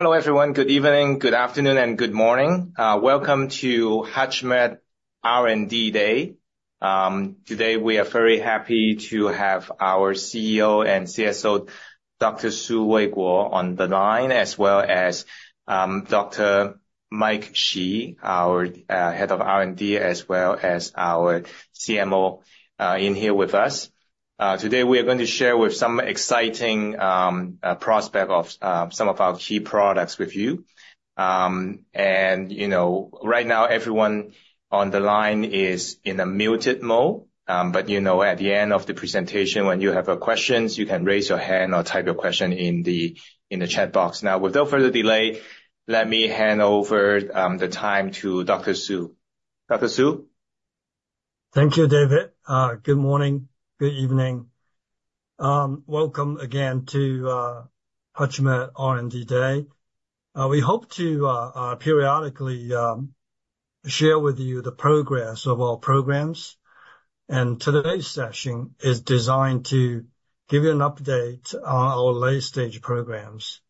Hello everyone, good evening, good afternoon, and good morning. Welcome to HUTCHMED R&D Day. Today we are very happy to have our CEO and CSO, Dr. Weiguo Su, on the line, as well as Dr. Mike Shi, our Head of R&D, as well as our CMO, in here with us. Today we are going to share with some exciting prospects of some of our key products with you. And you know, right now everyone on the line is in a muted mode. But you know, at the end of the presentation, when you have questions, you can raise your hand or type your question in the chat box. Now, without further delay, let me hand over the time to Dr. Su. Dr. Su. Thank you, David. Good morning, good evening. Welcome again to HUTCHMED R&D Day. We hope to periodically share with you the progress of our programs. Today's session is designed to give you an update on our late-stage programs.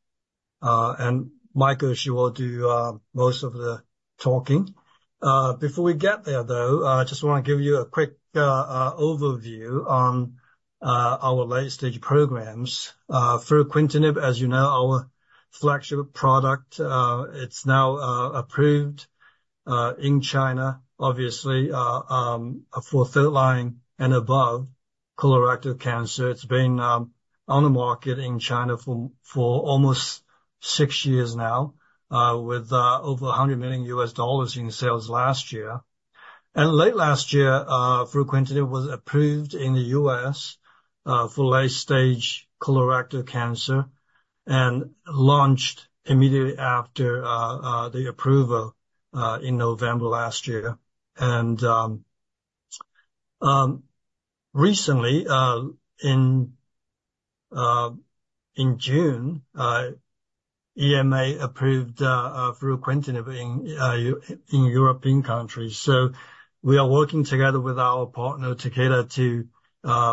Michael Shi will do most of the talking. Before we get there, though, I just want to give you a quick overview on our late-stage programs. Fruquintinib, as you know, our flagship product, it's now approved in China, obviously, for third line and above colorectal cancer. It's been on the market in China for almost six years now, with over $100 million in sales last year. Late last year, fruquintinib was approved in the US for late-stage colorectal cancer and launched immediately after the approval in November last year. Recently, in June, EMA approved fruquintinib in European countries. So we are working together with our partner Takeda to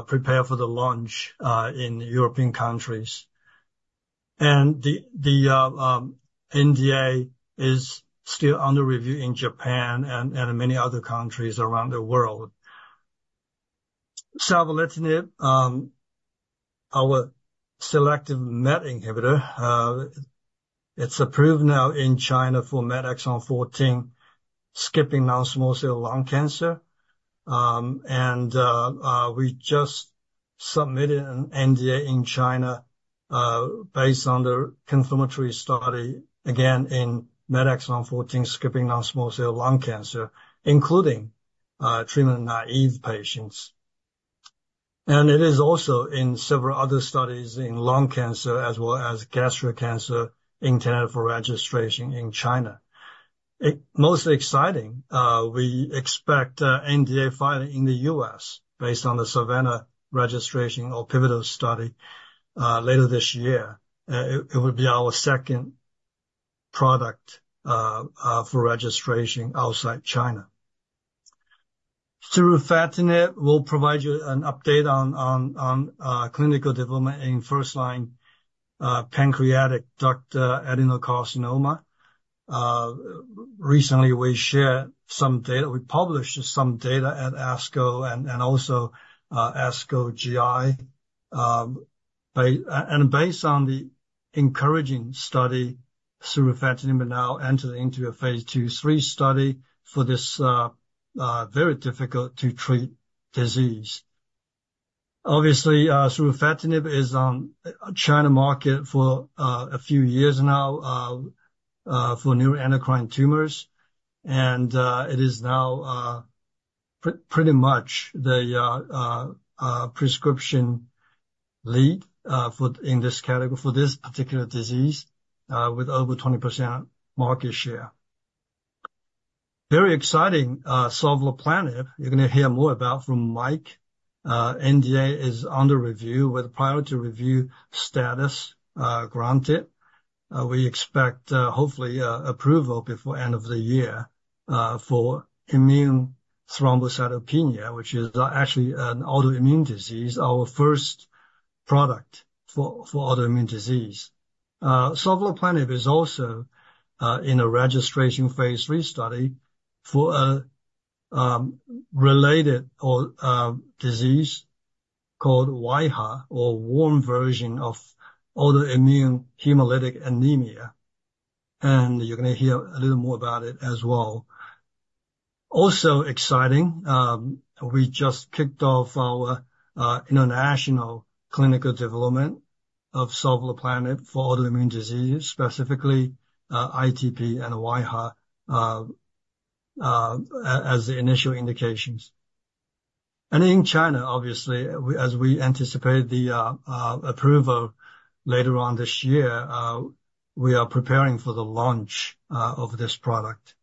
prepare for the launch in European countries. The NDA is still under review in Japan and many other countries around the world. Savolitinib, our selective MET inhibitor, it's approved now in China for MET exon 14 skipping non-small cell lung cancer. We just submitted an NDA in China, based on the confirmatory study, again, in MET exon 14 skipping non-small cell lung cancer, including treatment-naive patients. And it is also in several other studies in lung cancer, as well as gastric cancer, intended for registration in China. It's most exciting. We expect NDA filing in the U.S. based on the SAVANNAH registration or pivotal study, later this year. It would be our second product for registration outside China. Through surufatinib, we'll provide you an update on clinical development in first line pancreatic duct adenocarcinoma. Recently we shared some data; we published some data at ASCO and also ASCO GI. And based on the encouraging study, surufatinib now entered into a phase II/III study for this very difficult to treat disease. Obviously, surufatinib is on China market for a few years now for neuroendocrine tumors. And it is now pretty much the prescription lead for in this category for this particular disease, with over 20% market share. Very exciting, savolitinib. You're gonna hear more about from Mike. NDA is under review with priority review status granted. We expect, hopefully, approval before end of the year for immune thrombocytopenia, which is actually an autoimmune disease, our first product for autoimmune disease. savolitinib is also in a registration phase III study for a related disease called wAIHA or warm autoimmune hemolytic anemia. And you're gonna hear a little more about it as well. Also exciting, we just kicked off our international clinical development of savolitinib for autoimmune disease, specifically ITP and wAIHA, as the initial indications. And in China, obviously, as we anticipate the approval later on this year, we are preparing for the launch of this product.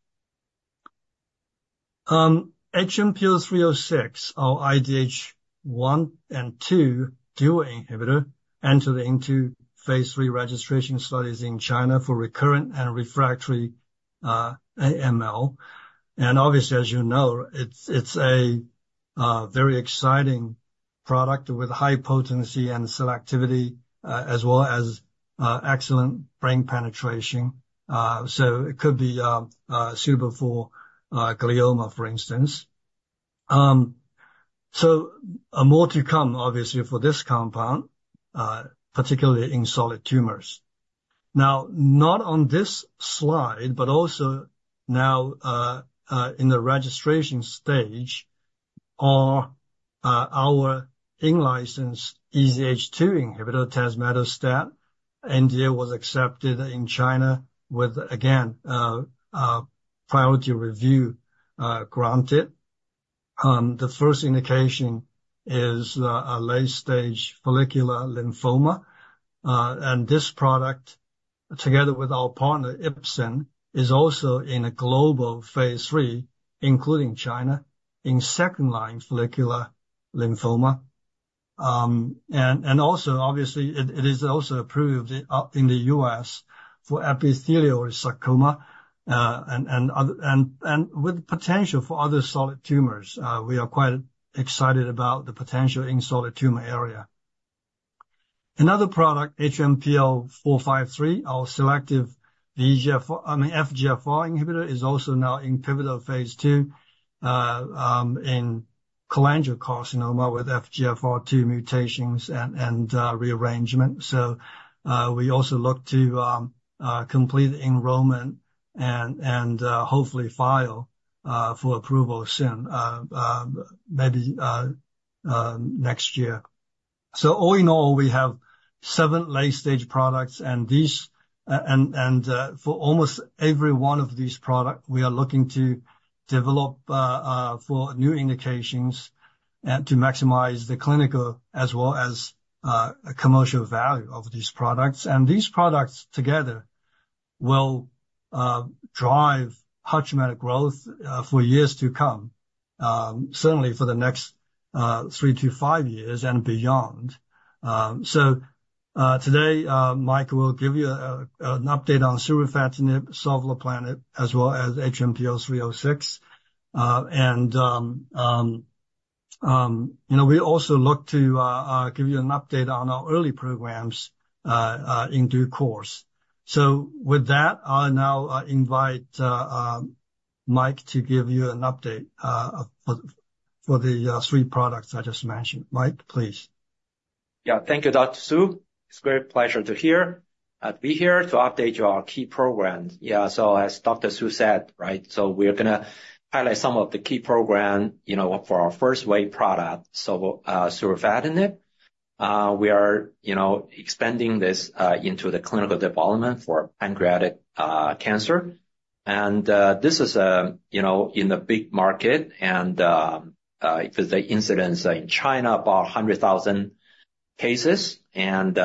HMPL-306, our IDH 1 and 2 dual inhibitor, entered into phase III registration studies in China for recurrent and refractory AML. And obviously, as you know, it's a very exciting product with high potency and selectivity, as well as excellent brain penetration. So it could be suitable for glioma, for instance. So more to come, obviously, for this compound, particularly in solid tumors. Now, not on this slide, but also now, in the registration stage are our in-license EZH2 inhibitor, tazemetostat. NDA was accepted in China with, again, priority review granted. The first indication is a late-stage follicular lymphoma. And this product, together with our partner Ipsen, is also in a global phase III, including China, in second-line follicular lymphoma. And also, obviously, it is also approved in the U.S. for epithelioid sarcoma, and other, and with potential for other solid tumors. We are quite excited about the potential in solid tumor area. Another product, HMPL-689, our selective VGF, I mean, FGFR inhibitor, is also now in pivotal phase II, in cholangiocarcinoma with FGFR2 mutations and rearrangement. So, we also look to complete enrollment and hopefully file for approval soon, maybe next year. So all in all, we have seven late-stage products, and these, and for almost every one of these products, we are looking to develop for new indications and to maximize the clinical as well as commercial value of these products. And these products together will drive HUTCHMED growth for years to come, certainly for the next three to five years and beyond. So today, Mike will give you an update on surufatinib, savolitinib, as well as HMPL-306. And you know, we also look to give you an update on our early programs in due course. So with that, I'll now invite Mike to give you an update for the three products I just mentioned. Mike, please. Yeah, thank you, Dr. Su. It's a great pleasure to hear, be here to update your key programs. Yeah, so as Dr. Su said, right, so we are gonna highlight some of the key program, you know, for our first wave product. So, surufatinib, we are, you know, expanding this, into the clinical development for pancreatic cancer. And, this is a, you know, in the big market and, for the incidence in China, about 100,000 cases. And,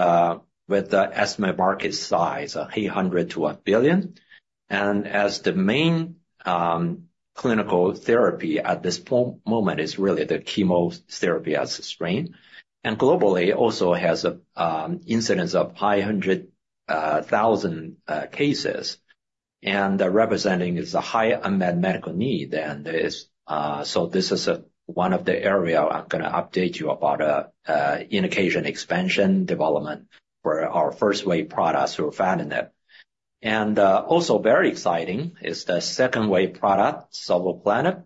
with the estimated market size, 300 million-1 billion. And as the main, clinical therapy at this point moment is really the chemotherapy as a strain. And globally also has a, incidence of 500,000 cases. And the representing is a high unmet medical need and this, so this is a, one of the area I'm gonna update you about a, indication expansion development for our first wave product surufatinib. Also very exciting is the second wave product, savolitinib,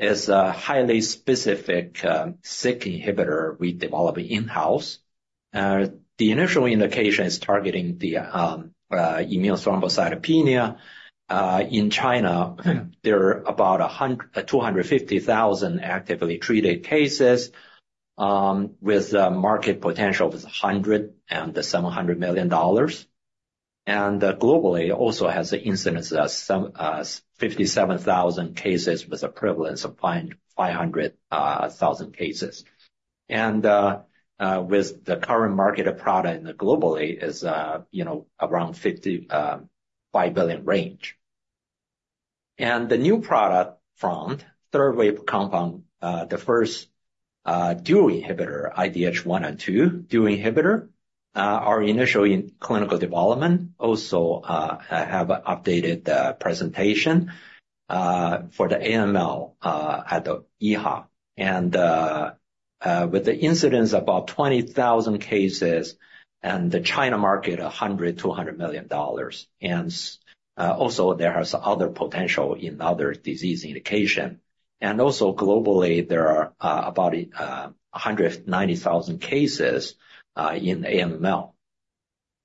a highly specific SYK inhibitor we develop in-house. The initial indication is targeting immune thrombocytopenia. In China, there are about 100,000-250,000 actively treated cases, with a market potential of $100-$700 million. Globally, it also has an incidence of some 57,000 cases with a prevalence of 500,000 cases. And with the current market for the product globally, you know, around $5 billion range. And on the new product front, third wave compound, the first dual inhibitor, IDH1 and IDH2 dual inhibitor, our initial clinical development also have updated the presentation for AML at the EHA. And with the incidence of about 20,000 cases and the China market $100-$200 million. And also there has other potential in other disease indication. Also globally there are about 190,000 cases in AML.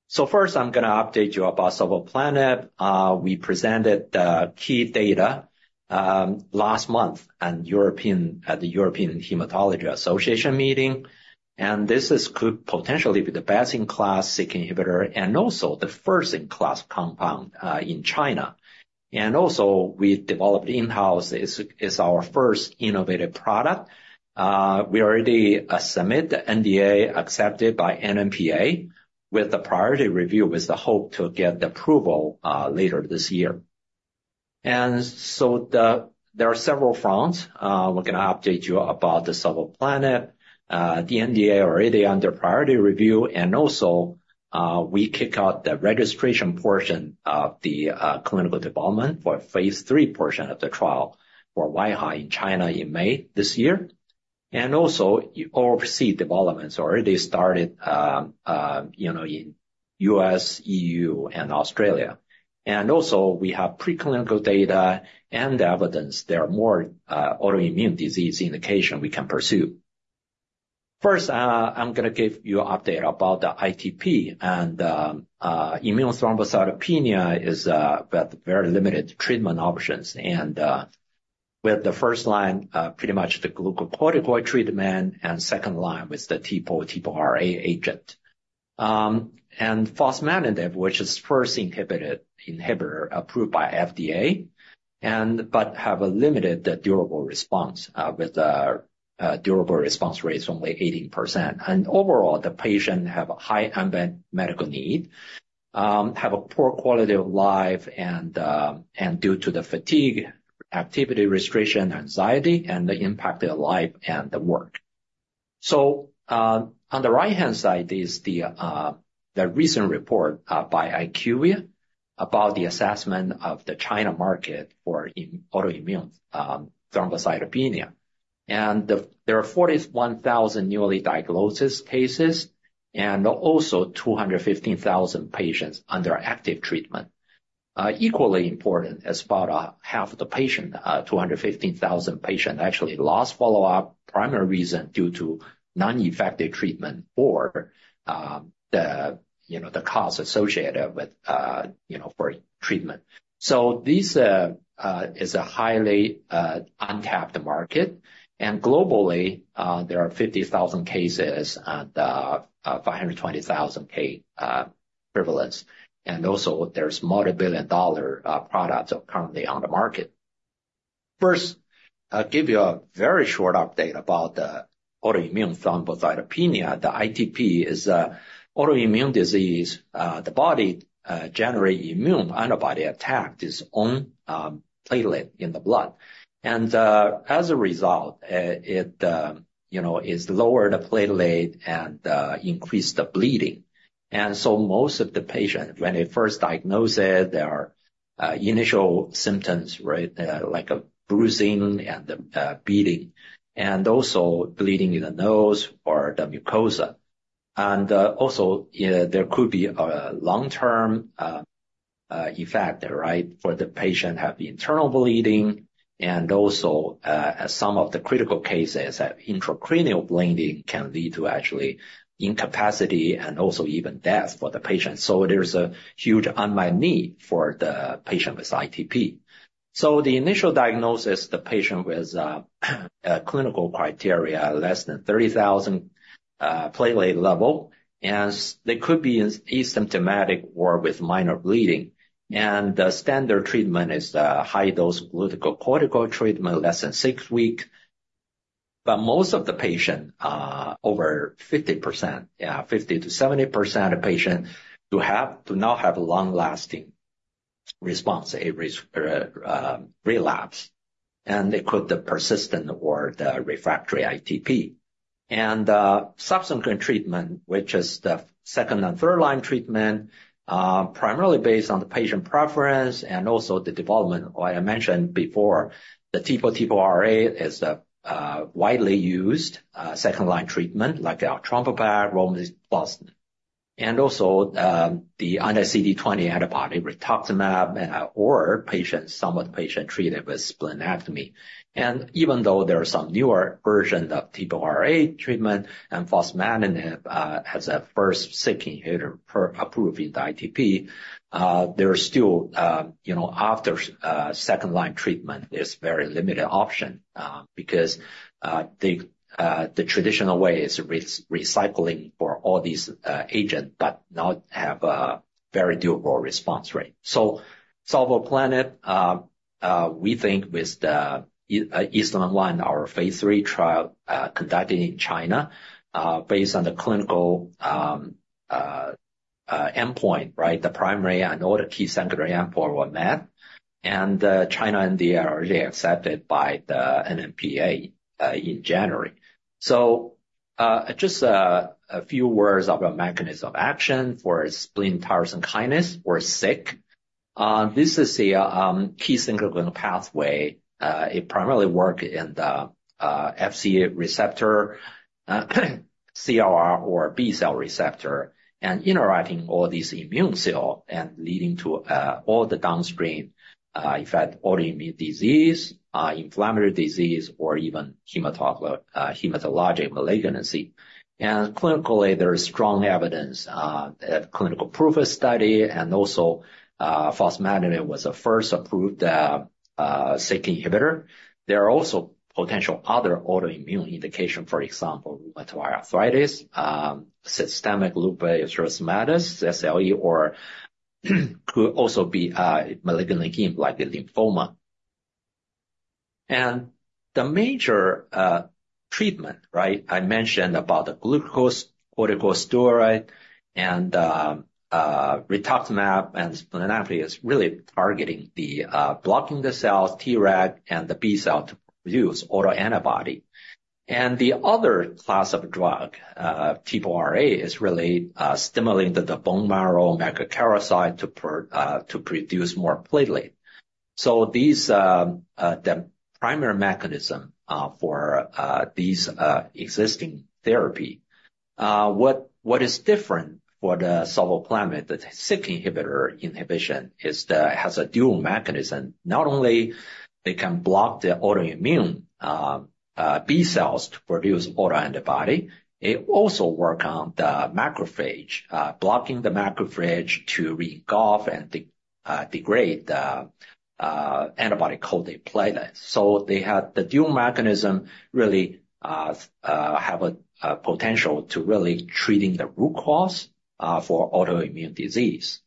So first I'm gonna update you about savolitinib. We presented the key data last month in Europe at the European Hematology Association meeting. And this could potentially be the best-in-class SYK inhibitor and also the first-in-class compound in China. And also we developed in-house is our first innovative product. We already submit the NDA accepted by NMPA with the priority review with the hope to get the approval later this year. And so there are several fronts. We're gonna update you about the savolitinib. The NDA already under priority review and also we kicked off the registration portion of the clinical development for phase III portion of the trial for wAIHA in China in May this year. And also overseas developments already started, you know, in US, EU, and Australia. And also we have preclinical data and evidence there are more autoimmune disease indications we can pursue. First, I'm gonna give you an update about the ITP, and immune thrombocytopenia is with very limited treatment options. With the first line, pretty much the glucocorticoid treatment and second line with the TPO-RA agent, and fostamatinib, which is first inhibitor approved by FDA, but have a limited the durable response, with the durable response rate only 18%. And overall the patients have a high unmet medical need, have a poor quality of life and due to the fatigue, activity restriction, anxiety and the impact their life and the work. So, on the right-hand side is the recent report by IQVIA about the assessment of the China market for autoimmune thrombocytopenia. And there are 41,000 newly diagnosed cases and also 215,000 patients under active treatment. Equally important as about half of the patients; 215,000 patients actually lost follow-up, primary reason due to non-effective treatment or, you know, the cost associated with, you know, for treatment. So this is a highly untapped market. Globally, there are 50,000 cases and 520,000 prevalence. And also there's multi-billion dollar products currently on the market. First, I'll give you a very short update about the autoimmune thrombocytopenia. The ITP is an autoimmune disease. The body generates immune antibody attack to its own platelet in the blood. And as a result, it, you know, is lower the platelet and increase the bleeding. And so most of the patient when they first diagnosis, there are initial symptoms, right, like a bruising and the bleeding and also bleeding in the nose or the mucosa. And also, there could be a long-term effect, right, for the patient have internal bleeding. Also, as some of the critical cases have intracranial bleeding can lead to actually incapacity and also even death for the patient. So there's a huge unmet need for the patient with ITP. So the initial diagnosis, the patient with clinical criteria less than 30,000 platelet level and they could be asymptomatic or with minor bleeding. The standard treatment is a high dose glucocorticoid treatment less than six weeks. But most of the patient, over 50%, yeah, 50%-70% of patient who have do not have a long-lasting response, a risk, relapse. And they could the persistent or the refractory ITP. Subsequent treatment, which is the second and third line treatment, primarily based on the patient preference and also the development, like I mentioned before, the TPO, TPO-RA is the widely used second line treatment like our eltrombopag, romiplostim. And also, the anti-CD20 antibody rituximab for patients, some of the patients treated with splenectomy. Even though there are some newer versions of TPO-RA treatment and fostamatinib as a first SYK inhibitor approved in the ITP, there are still, you know, after second line treatment is very limited option, because, the, the traditional way is recycling for all these, agents, but not have a very durable response rate. So savolitinib, we think with the first line, our phase III trial, conducted in China, based on the clinical, endpoint, right, the primary and all the key secondary endpoint were met. And the NDA is already accepted by the NMPA, in China, in January. So, just a few words about mechanism of action for spleen tyrosine kinase or SYK. This is a key signaling pathway. It primarily works in the Fcγ receptor, BCR or B cell receptor and interacting all these immune cells and leading to all the downstream effect, autoimmune disease, inflammatory disease or even hematologic malignancy. And clinically there is strong evidence that clinical proof of study and also fostamatinib was the first approved SYK inhibitor. There are also potential other autoimmune indications, for example, rheumatoid arthritis, systemic lupus erythematosus, SLE, or could also be malignant lymphoma like the lymphoma. And the major treatment, right, I mentioned about the glucocorticoid, corticosteroid and rituximab and splenectomy is really targeting the blocking the cells, Treg and the B cell to produce autoantibody. And the other class of drug, TPO-RA is really stimulating the bone marrow megakaryocyte to produce more platelet. So, the primary mechanism for these existing therapies, what is different for the savolitinib, the SYK inhibitor, is that it has a dual mechanism. Not only can they block the autoimmune B cells to produce autoantibody, it also works on the macrophage, blocking the macrophage to engulf and degrade the antibody-coated platelets. So they have the dual mechanism, really have a potential to really treat the root cause for autoimmune disease.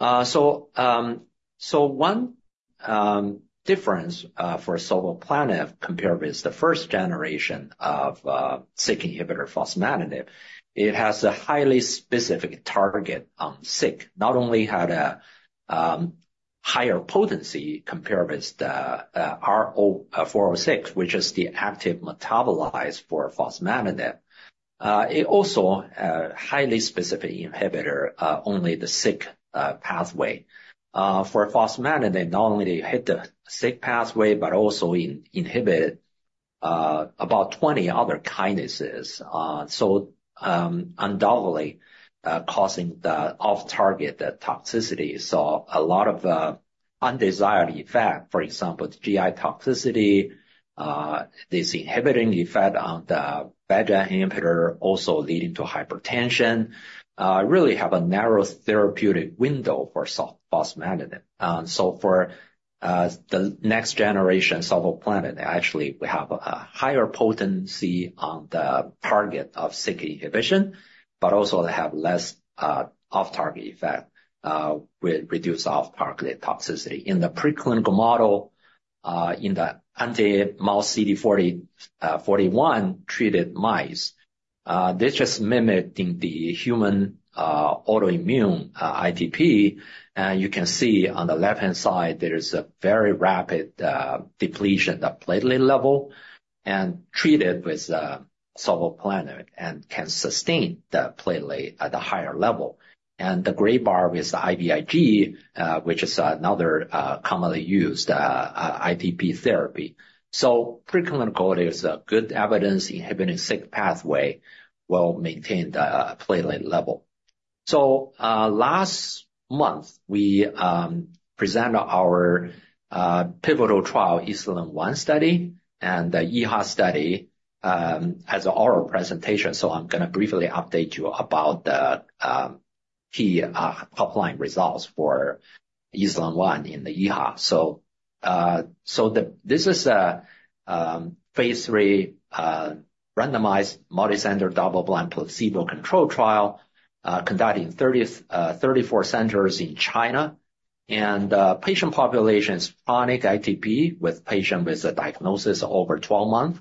So, one difference for savolitinib compared with the first generation of SYK inhibitor fostamatinib, it has a highly specific target on SYK. Not only had a higher potency compared with the R406, which is the active metabolite for fostamatinib, it also a highly specific inhibitor, only the SYK pathway. For fostamatinib, not only they hit the SYK pathway, but also in inhibit about 20 other kinases. So, undoubtedly, causing the off-target toxicity. So a lot of undesired effects, for example, the GI toxicity, this inhibiting effect on the VEGFR inhibitor also leading to hypertension really have a narrow therapeutic window for fostamatinib. And so for the next generation savolitinib, actually we have a higher potency on the target of SYK inhibition, but also they have less off-target effect, with reduced off-target toxicity in the preclinical model, in the anti-CD40, CD41 treated mice. This just mimicking the human autoimmune ITP. And you can see on the left hand side there is a very rapid depletion of platelet level and treated with savolitinib and can sustain the platelet at a higher level. And the gray bar with the IVIG, which is another commonly used ITP therapy. So preclinical is good evidence inhibiting SYK pathway while maintain the platelet level. So, last month we presented our pivotal trial ESLIM-1 study and the EHA study as our presentation. So I'm gonna briefly update you about the key top line results for ESLIM-1 in the EHA. So this is a phase III randomized multicenter double-blind placebo control trial conducted in 30-34 centers in China. And patient population is chronic ITP with patient with a diagnosis of over 12 months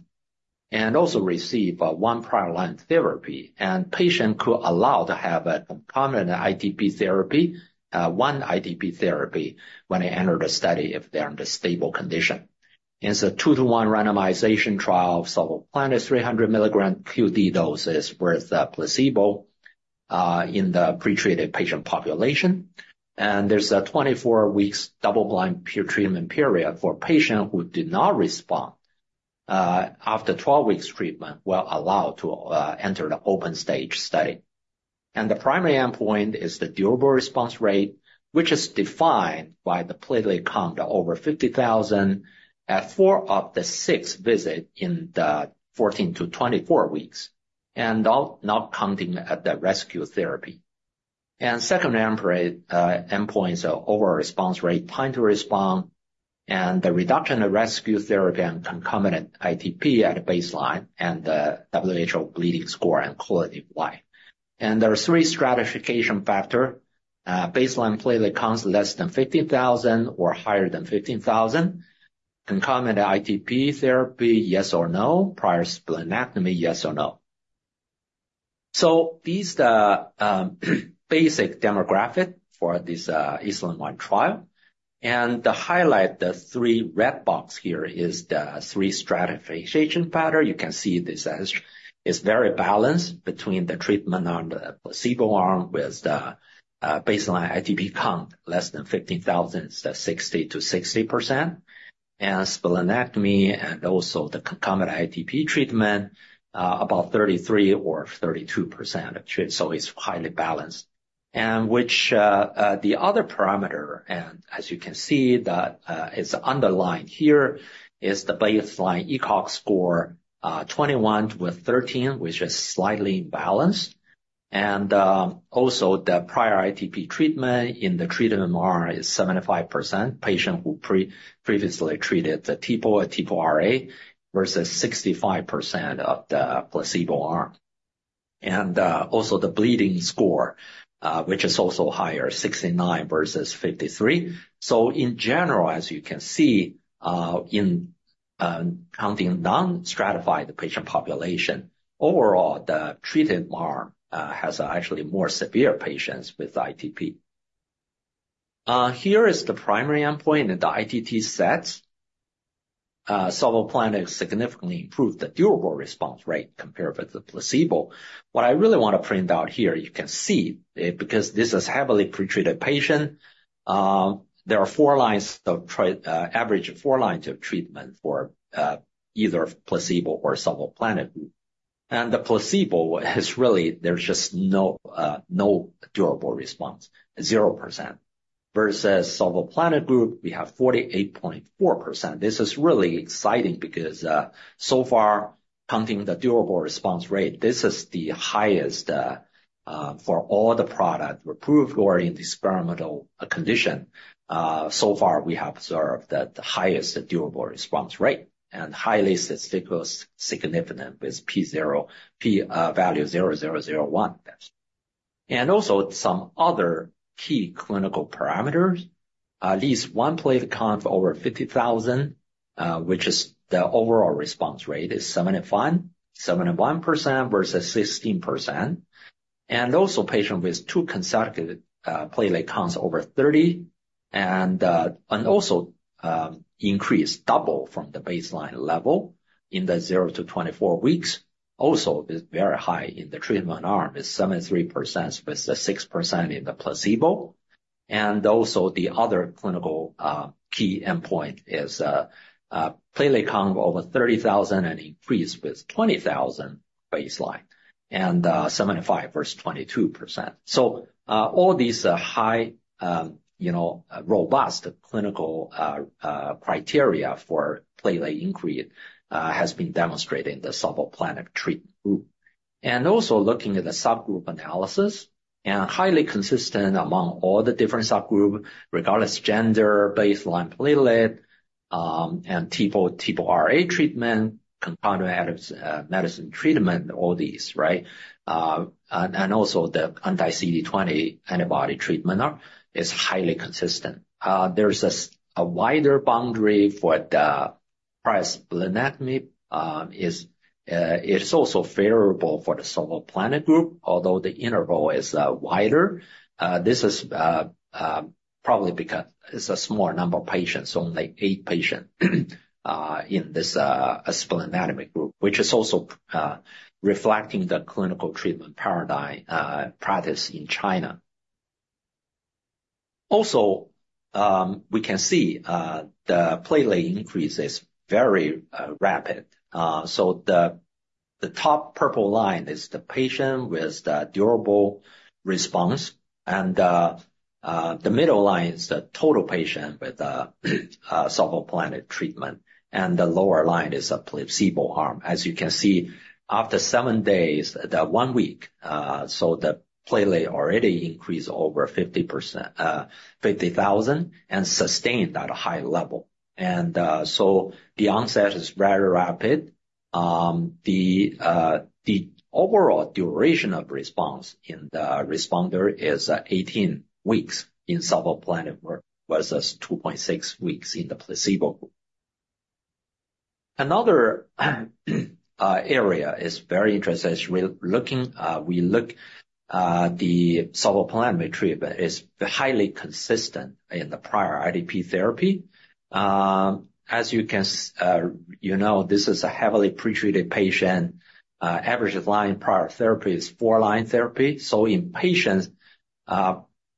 and also receive a one prior line therapy. And patient could allow to have a common ITP therapy, one ITP therapy when they enter the study if they're under stable condition. It's a 2-1 randomization trial of savolitinib 300 mg QD doses with a placebo in the pretreated patient population. There's a 24-week double-blind per treatment period for patients who did not respond. After 12 weeks treatment will allow to enter the open-label study. The primary endpoint is the durable response rate, which is defined by the platelet count over 50,000 at four of the six visits in the 14-24 weeks. And not counting at the rescue therapy. The secondary endpoint is overall response rate, time to respond, and the reduction of rescue therapy and concomitant ITP at a baseline and the WHO bleeding score and quality of life. There are three stratification factors, baseline platelet counts less than 15,000 or higher than 15,000, concomitant ITP therapy, yes or no, prior splenectomy, yes or no. So these are the basic demographics for this ESLIM-1 trial. The highlights, the three red boxes here are the three stratification patterns. You can see this as is very balanced between the treatment on the placebo arm with the baseline ITP count less than 15,000, the 60%-60%, and splenectomy and also the concomitant ITP treatment, about 33% or 32% of treatment. So it's highly balanced. And the other parameter, as you can see, is underlined here is the baseline ECOG score, 21 with 13, which is slightly imbalanced. And also the prior ITP treatment in the treated arm is 75% patient who previously treated the TPO-RA versus 65% of the placebo arm. And also the bleeding score, which is also higher, 69% versus 53%. So in general, as you can see, in the non-stratified patient population, overall the treated arm has actually more severe patients with ITP. Here is the primary endpoint in the ITT sets. savolitinib significantly improved the durable response rate compared with the placebo. What I really wanna point out here, you can see it because this is heavily pretreated patient. There are four lines of, average four lines of treatment for, either placebo or savolitinib group. And the placebo is really, there's just no, no durable response, 0% versus savolitinib group, we have 48.4%. This is really exciting because, so far counting the durable response rate, this is the highest, for all the product approved or in the experimental condition. So far we have observed that the highest durable response rate and highly statistically significant with p-value 0.0001. And also some other key clinical parameters, at least one platelet count over 50,000, which is the overall response rate is 71, 71% versus 16%. And also patient with two consecutive, platelet counts over 30. Also, increased double from the baseline level in the 0 to 24 weeks. Also is very high in the treatment arm is 73% with the 6% in the placebo. And also the other clinical, key endpoint is, platelet count over 30,000 and increased with 20,000 baseline and, 75% versus 22%. So, all these, high, you know, robust clinical, criteria for platelet increase, has been demonstrated in the savolitinib treatment group. And also looking at the subgroup analysis and highly consistent among all the different subgroup, regardless gender, baseline platelet, and TPO, TPO-RA treatment, concomitant medicine treatment, all these, right? and, and also the anti-CD20 antibody treatment is highly consistent. There's a, a wider boundary for the prior splenectomy, is, it's also favorable for the savolitinib group, although the interval is, wider. This is probably because it's a small number of patients, only eight patients, in this splenectomy group, which is also reflecting the clinical treatment paradigm practice in China. Also, we can see the platelet increase is very rapid. So the top purple line is the patient with the durable response. The middle line is the total patient with the savolitinib treatment. The lower line is a placebo arm. As you can see, after seven days, in one week, so the platelet already increased over 50%, 50,000 and sustained at a high level. So the onset is very rapid. The overall duration of response in the responder is 18 weeks in savolitinib versus 2.6 weeks in the placebo group. Another area is very interesting as we're looking, the savolitinib treatment is highly consistent in the prior ITP therapy. As you can, you know, this is a heavily pretreated patient, average line prior therapy is four line therapy. So in patients,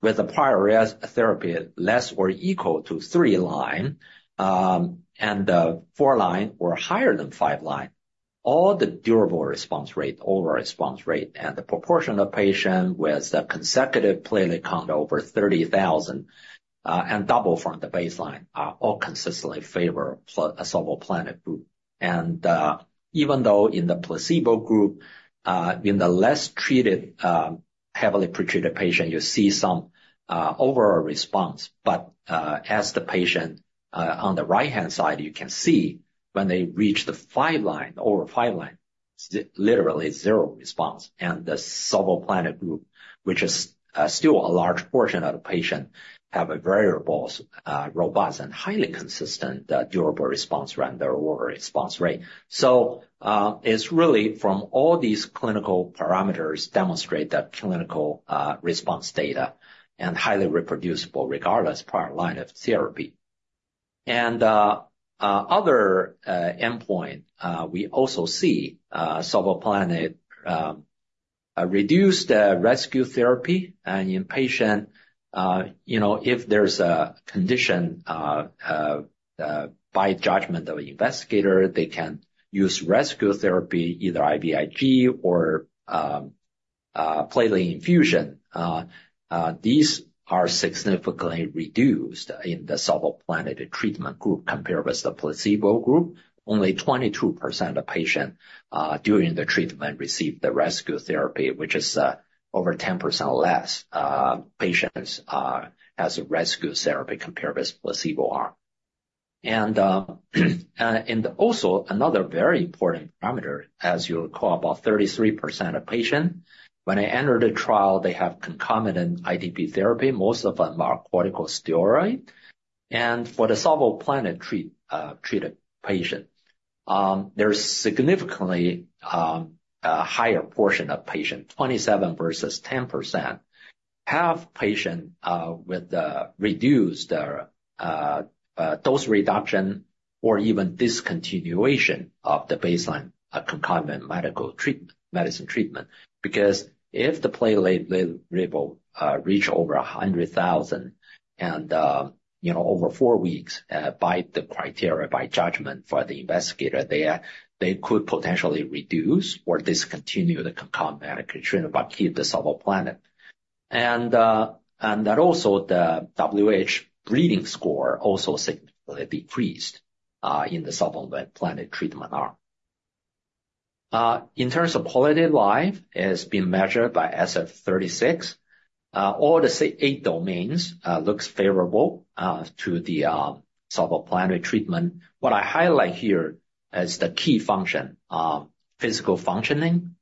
with the prior therapy less or equal to three line, and the four line or higher than five line, all the durable response rate, overall response rate and the proportion of patient with a consecutive platelet count over 30,000, and double from the baseline, all consistently favor savolitinib group. Even though in the placebo group, in the less treated, heavily pretreated patient, you see some, overall response. But, as the patient, on the right hand side, you can see when they reach the five line, over five line, literally zero response. And the savolitinib group, which is, still a large portion of the patient, have a favorable, robust and highly consistent durable response rate or response rate. So, it's really from all these clinical parameters demonstrate that clinical response data is highly reproducible regardless prior line of therapy. And other endpoints, we also see savolitinib reduced the rescue therapy. And in patients, you know, if there's a condition by judgment of investigator, they can use rescue therapy, either IVIG or platelet infusion. These are significantly reduced in the savolitinib treatment group compared with the placebo group. Only 22% of patients during the treatment received the rescue therapy, which is over 10% less patients as a rescue therapy compared with placebo arm. And also another very important parameter, as you recall, about 33% of patients when I entered the trial, they have concomitant ITP therapy, most of them are corticosteroid. For the savolitinib treated patient, there's a significantly higher portion of patients, 27% versus 10%, have patients with the reduced dose reduction or even discontinuation of the baseline concomitant medical treatment, medicine treatment. Because if the platelet level reaches over 100,000 and, you know, over four weeks, by the criteria, by judgment for the investigator, they could potentially reduce or discontinue the concomitant treatment, but keep the savolitinib. And that also the WHO bleeding score also significantly decreased in the savolitinib treatment arm. In terms of quality of life, it has been measured by SF36. All the eight domains look favorable to the savolitinib treatment. What I highlight here as the key function, physical functioning,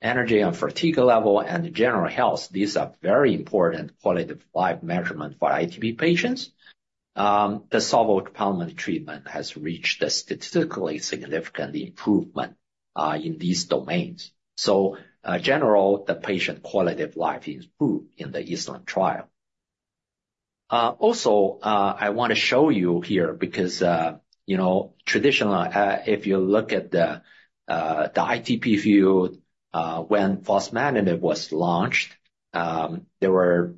energy and fatigue level, and general health, these are very important quality of life measurement for ITP patients. The savolitinib treatment has reached a statistically significant improvement in these domains. So, generally, the patient quality of life improved in the ESLIM trial. Also, I wanna show you here because, you know, traditionally, if you look at the, the ITP field, when fostamatinib was launched, there were,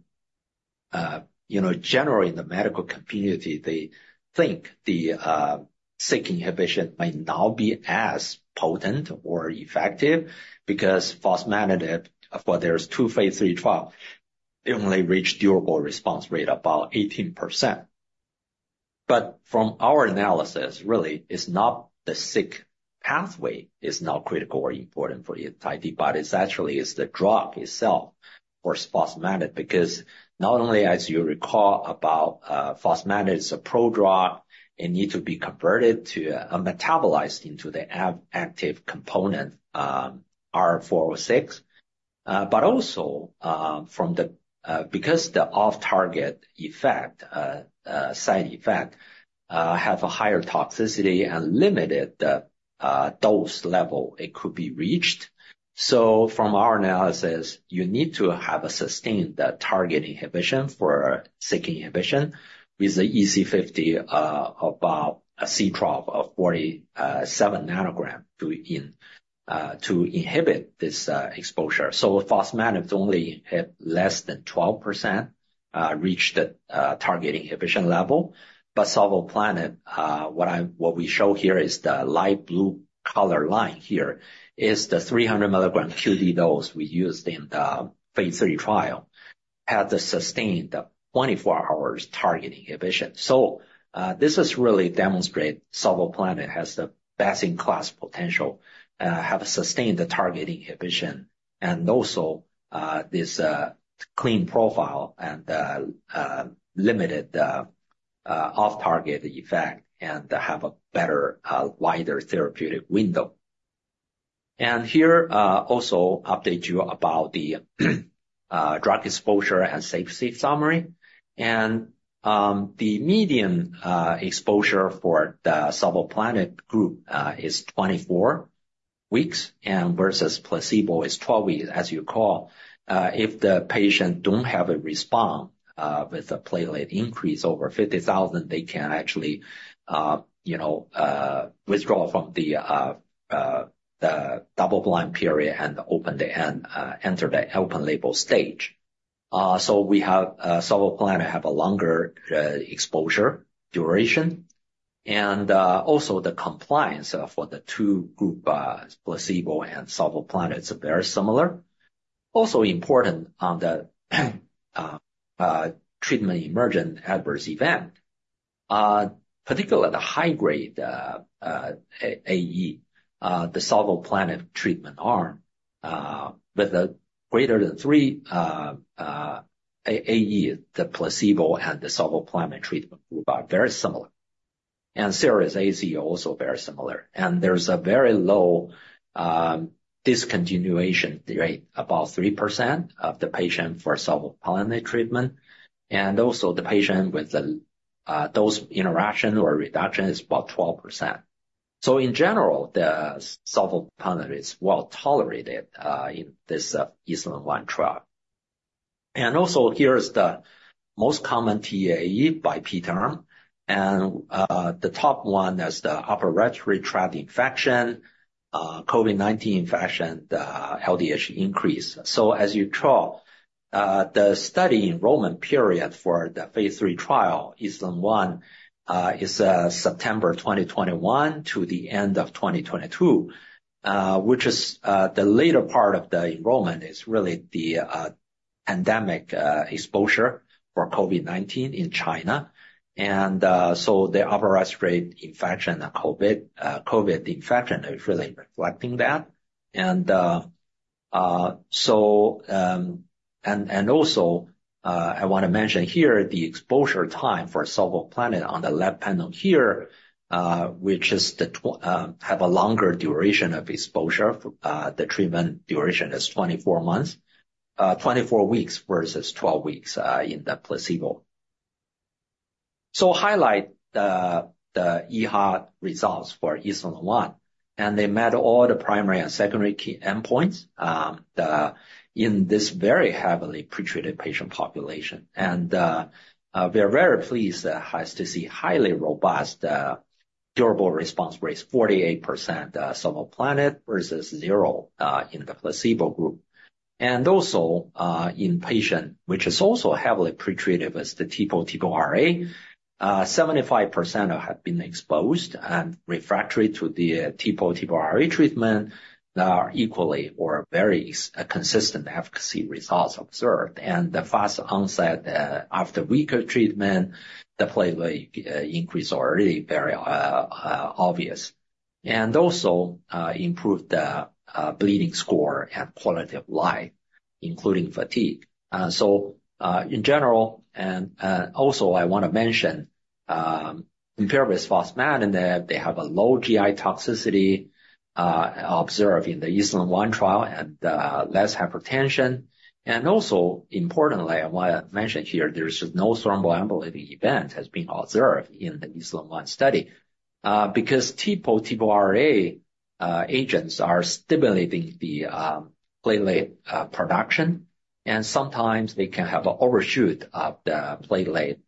you know, generally in the medical community, they think the SYK inhibition might not be as potent or effective because fostamatinib, for there were two phase III trials, they only reached durable response rate about 18%. But from our analysis, really, it's not the SYK pathway is not critical or important for the entire ITP, but it's actually is the drug itself for fostamatinib because not only as you recall about, fostamatinib, it's a prodrug, it needs to be converted to a metabolized into the active component, R406. But also, from the, because the off-target effect, side effect, have a higher toxicity and limited the, dose level it could be reached. So from our analysis, you need to have a sustained target inhibition for SYK inhibition with the EC50, about a C12 of 47 ng to inhibit this exposure. So fostamatinib only hit less than 12%, reached the target inhibition level. But savolitinib, what we show here is the light blue color line here is the 300 mg QD dose we used in the phase III trial had the sustained 24 hours target inhibition. So this really demonstrates savolitinib has the best in class potential, have a sustained target inhibition and also this clean profile and limited off-target effect and have a better wider therapeutic window. And here also update you about the drug exposure and safety summary. And the median exposure for the savolitinib group is 24 weeks and versus placebo is 12 weeks, as you call. If the patient don't have a response, with a platelet increase over 50,000, they can actually, you know, withdraw from the, the double-blind period and open-label, enter the open-label stage. So we have, savolitinib have a longer, exposure duration. And, also the compliance for the two group, placebo and savolitinib is very similar. Also important on the, treatment-emergent adverse event, particularly the high-grade, TEAE, the savolitinib treatment arm, with a greater than three, TEAE, the placebo and the savolitinib treatment group are very similar. And serious AE also very similar. And there's a very low, discontinuation rate, about 3% of the patient for savolitinib treatment. And also the patient with the, dose interruption or reduction is about 12%. So in general, the savolitinib is well tolerated, in this second-line trial. And also here's the most common TEAE by P term. The top one is the upper respiratory tract infection, COVID-19 infection, the LDH increase. So as you see, the study enrollment period for the phase III trial, ESLIM-1, is September 2021 to the end of 2022, which is the later part of the enrollment is really the pandemic exposure for COVID-19 in China. So the upper respiratory infection and COVID infection is really reflecting that. And also, I wanna mention here the exposure time for savolitinib on the left panel here, which has a longer duration of exposure, the treatment duration is 24 months, 24 weeks versus 12 weeks in the placebo. So highlight the EHA results for ESLIM-1. And they met all the primary and secondary key endpoints in this very heavily pretreated patient population. We are very pleased to have seen highly robust, durable response rates, 48% savolitinib versus zero in the placebo group. Also, in patients which are also heavily pretreated with the TPO, TPO-RA, 75% have been exposed and refractory to the TPO-RA treatment. There are equally very consistent efficacy results observed. And the fast onset after a week of treatment, the platelet increase already very obvious. And also, it improved the bleeding score and quality of life, including fatigue. So, in general, also I wanna mention, compared with fostamatinib, it has low GI toxicity observed in the ESLIM-1 trial and less hypertension. And also importantly, I wanna mention here, there's just no thromboembolic event that has been observed in the ESLIM-1 study, because TPO-RA agents are stimulating the platelet production. Sometimes they can have an overshoot of the platelet,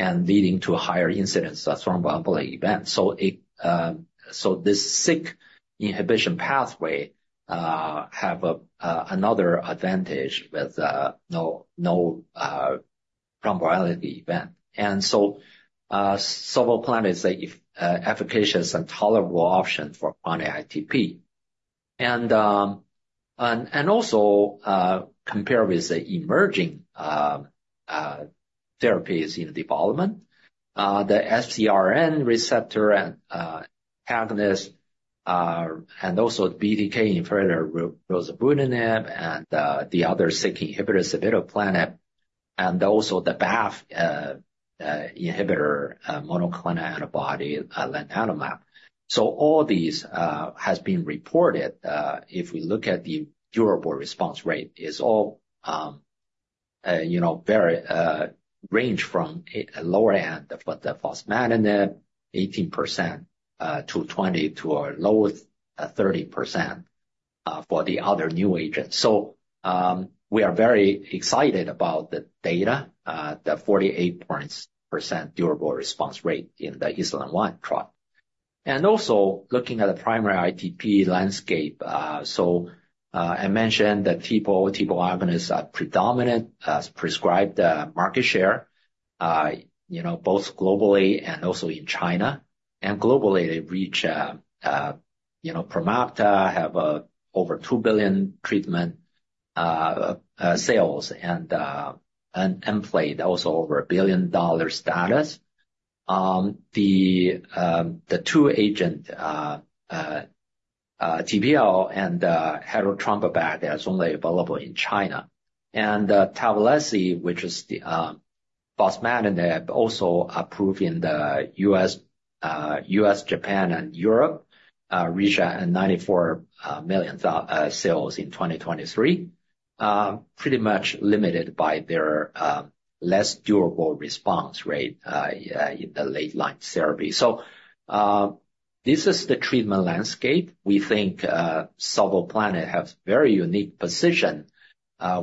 leading to a higher incidence of thromboembolic event. This SYK inhibition pathway has another advantage with no thromboembolic event. Salvaleplanib is an efficacious and tolerable option for chronic ITP. Also, compared with the emerging therapies in development, the FcRn receptor agonist, and also the BTK inhibitor, rilzabrutinib, the other SYK inhibitor, cevidoplenib, and also the BAFF inhibitor monoclonal antibody, ianalumab, all these have been reported. If we look at the durable response rate, it is all, you know, very, range from a lower end for the fostamatinib, 18%, to 20% to a lower 30% for the other new agents. We are very excited about the data, the 48% durable response rate in the ESLIM-1 trial. Also looking at the primary ITP landscape, I mentioned that TPO-RA, TPO-RA agonists are predominant as prescribed market share, you know, both globally and also in China. And globally they reach, you know, Promacta have a over $2 billion treatment, sales and, and Nplate also over a $1 billion status. The, the two agent, TPO-RA and, hetrombopag is only available in China. And Tavalisse, which is the fostamatinib, also approved in the U.S., U.S., Japan, and Europe, reached at $94 million, sales in 2023, pretty much limited by their, less durable response rate, in the late line therapy. This is the treatment landscape. We think, savolitinib has a very unique position,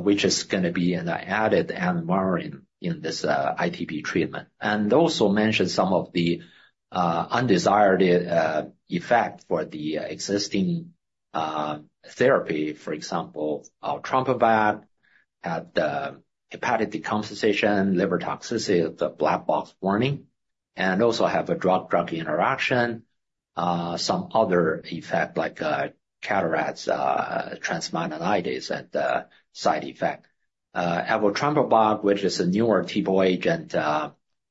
which is gonna be an added MR in, in this, ITP treatment. And also mentioned some of the undesired effects for the existing therapy, for example, of eltrombopag, the hepatic decompensation, liver toxicity, the black box warning, and also have a drug-drug interaction, some other effects like cataracts, transaminitis, and side effects. Avatrombopag, which is a newer TPO agent,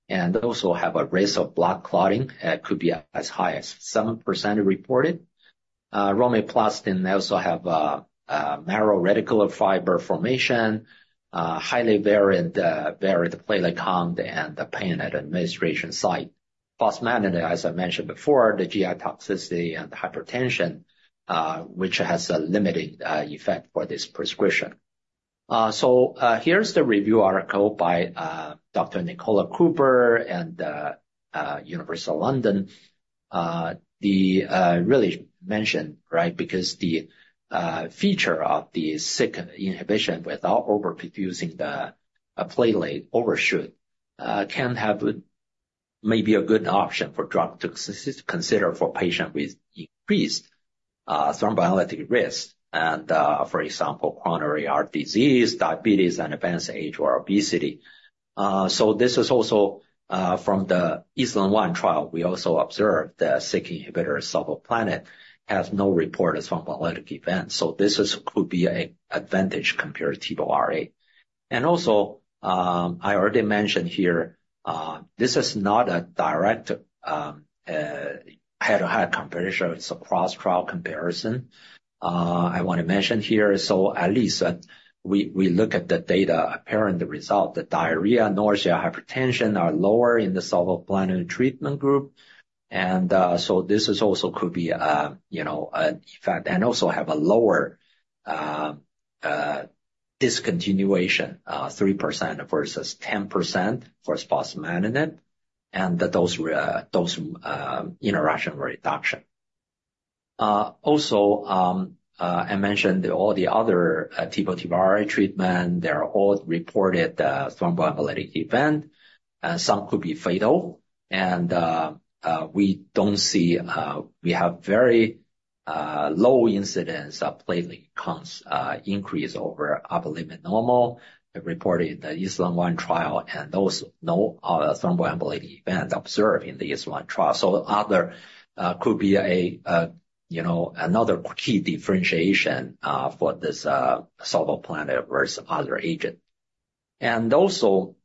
and also have a risk of blood clotting, it could be as high as 7% reported. Romiplostim also have a marrow reticular fiber formation, highly variable platelet count, and the pain at administration site. Fostamatinib, as I mentioned before, the GI toxicity and the hypertension, which has a limited effect for this prescription. So, here's the review article by Dr. Nicola Cooper and University of London. They really mentioned, right, because the feature of the SYK inhibition without overproducing the platelet overshoot can have maybe a good option for drug to consider for patient with increased thromboembolic risk and, for example, coronary heart disease, diabetes, and advanced age or obesity. So this is also from the ESLIM-1 trial. We also observed the SYK inhibitor savolitinib has no reported thromboembolic event. So this could be an advantage compared to TPO-RA. And also, I already mentioned here, this is not a direct head-to-head comparison, it's a cross trial comparison. I wanna mention here, so at least that we look at the data apparent result, the diarrhea, nausea, hypertension are lower in the savolitinib treatment group. And so this is also could be a, you know, an effect and also have a lower discontinuation, 3% versus 10% for fostamatinib and the dose reduction. Also, I mentioned all the other TPO, TPO-RA treatments. They're all reported thromboembolic events and some could be fatal. And we don't see. We have very low incidence of platelet counts increase over upper limit normal reported in the ESLIM-1 trial and no thromboembolic events observed in the ESLIM-1 trial. So other could be a, you know, another key differentiation for this savolitinib versus other agent. And also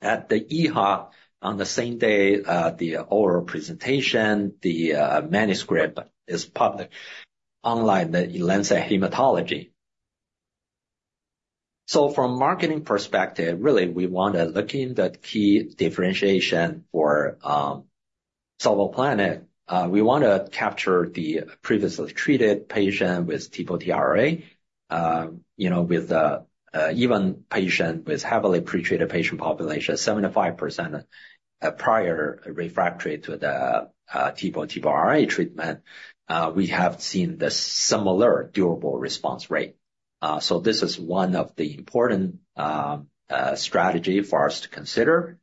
at the EHA on the same day, the oral presentation, the manuscript is published online in The Lancet Hematology. So from marketing perspective, really we wanna look in the key differentiation for savolitinib. We wanna capture the previously treated patient with TPO, TPO-RA, you know, with the even patient with heavily pretreated patient population, 75% prior refractory to the TPO, TPO-RA treatment. We have seen the similar durable response rate. This is one of the important strategy for us to consider.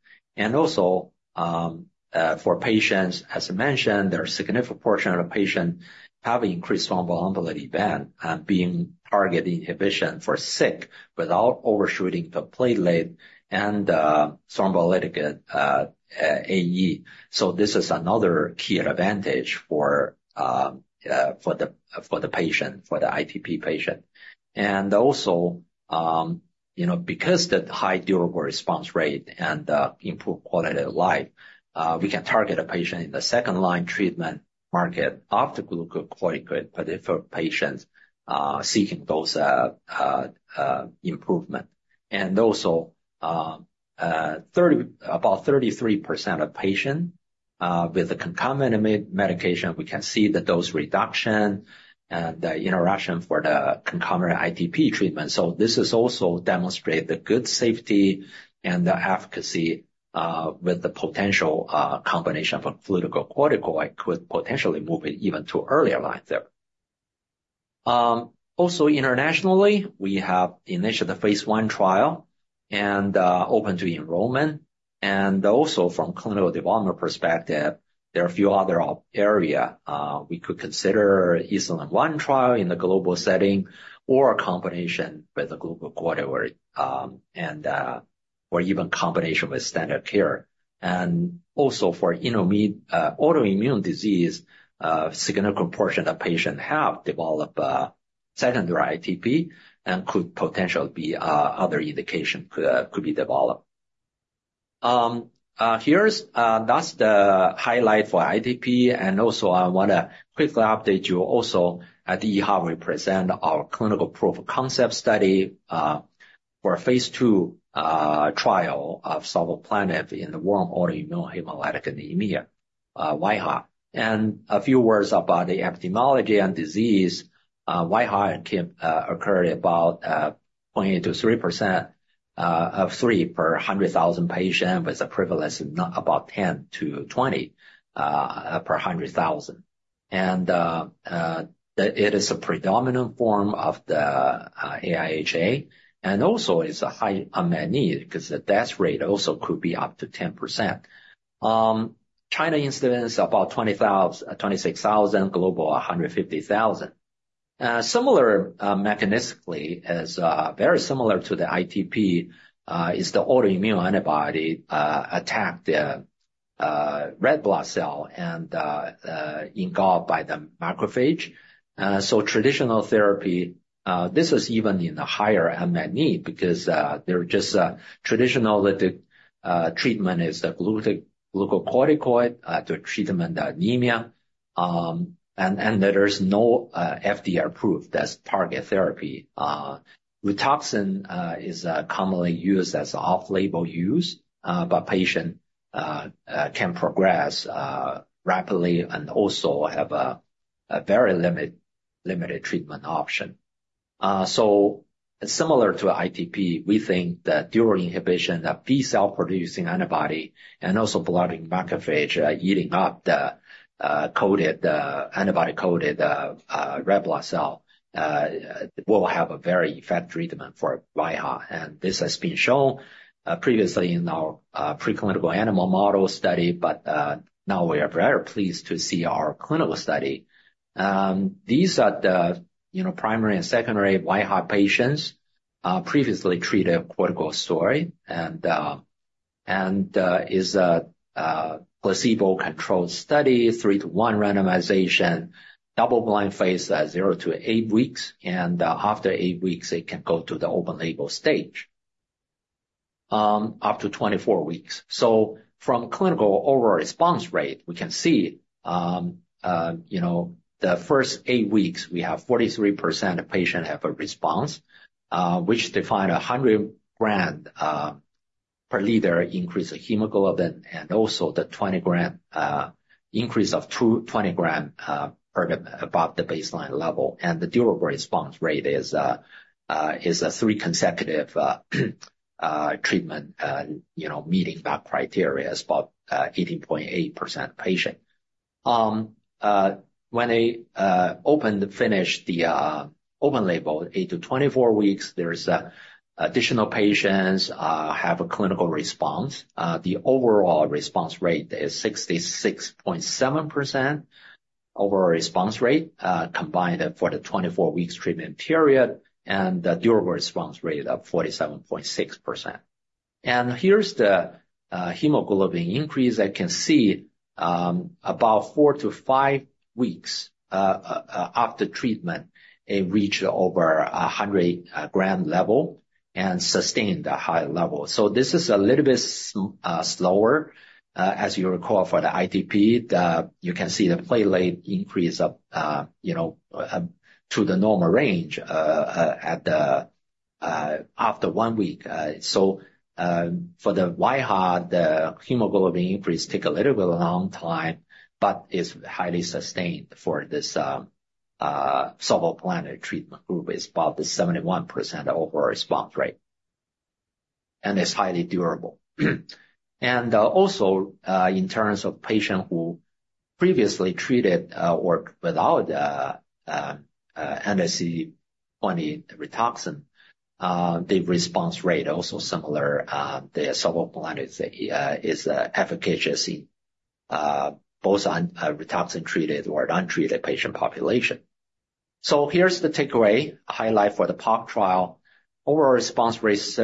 For patients, as I mentioned, there's a significant portion of the patient have increased thromboembolic event and being targeted inhibition for SYK without overshooting the platelet and thromboembolism AE. So this is another key advantage for the patient, for the ITP patient. And also, you know, because the high durable response rate and improved quality of life, we can target a patient in the second line treatment market after glucocorticoid for the patients seeking those improvement. About 33% of patient with the concomitant medication, we can see the dose reduction and the interaction for the concomitant ITP treatment. So this is also demonstrated the good safety and the efficacy with the potential combination of a glucocorticoid could potentially move it even to earlier line there. Also, internationally, we have initiated the phase I trial and open to enrollment. From a clinical development perspective, there are a few other areas we could consider additional phase I trial in the global setting or a combination with a glucocorticoid, and or even combination with standard care. Also, for autoimmune disease, a significant portion of patients have developed a secondary ITP and could potentially be other indications could be developed. Here's, that's the highlight for ITP. Also, I wanna quickly update you. Also at the EHA we present our clinical proof-of-concept study for phase II trial of savolitinib in the warm autoimmune hemolytic anemia, wAIHA. And a few words about the epidemiology and disease. wAIHA occurs about 0.8%-3% of three per 100,000 patients with a prevalence of about 10-20 per 100,000. It is a predominant form of the AIHA and also it's a high unmet need because the death rate also could be up to 10%. China incidence about 20,000, 26,000, global 150,000. Similar, mechanistically is very similar to the ITP, is the autoimmune antibody attack the red blood cell and engulfed by the macrophage. So traditional therapy, this is even in the higher unmet need because there are just traditional treatment is the glucocorticoid to treatment anemia. And there is no FDA approved as target therapy. Rituxan is commonly used as off-label use, but patient can progress rapidly and also have a very limited treatment option. So similar to ITP, we think that durable inhibition of B cell producing antibody and also blood macrophage eating up the antibody-coated red blood cell will have a very effective treatment for wAIHA. This has been shown previously in our preclinical animal model study, but now we are very pleased to see our clinical study. These are the, you know, primary and secondary wAIHA patients previously treated corticosteroid and is a placebo-controlled study, three to onerandomization, double-blind phase at 0 - 8 weeks. After eight weeks, it can go to the open-label stage, up to 24 weeks. So from clinical overall response rate, we can see, you know, the first eight weeks we have 43% of patient have a response, which defined a 100 g per liter increase of hemoglobin and also the 20 g increase of 20 g per about the baseline level. The durable response rate is a three consecutive treatment, you know, meeting that criteria is about 18.8% patient. When they finished the open label 8-24 week, there are additional patients have a clinical response. The overall response rate is 66.7% overall response rate, combined for the 24 weeks treatment period and the durable response rate of 47.6%. And here's the hemoglobin increase. I can see about 4-5 weeks after treatment, it reached over 100 g level and sustained a high level. So this is a little bit slower, as you recall for the ITP, you can see the platelet increase of, you know, to the normal range, after one week. So, for the wAIHA, the hemoglobin increase take a little bit of a long time, but it's highly sustained for this savolitinib treatment group is about the 71% overall response rate and it's highly durable. Also, in terms of patient who previously treated, or without, anti-CD20 Rituxan, the response rate also similar, the savolitinib is efficacious in both on Rituxan treated or untreated patient population. So here's the takeaway highlight for the POC trial, overall response rate is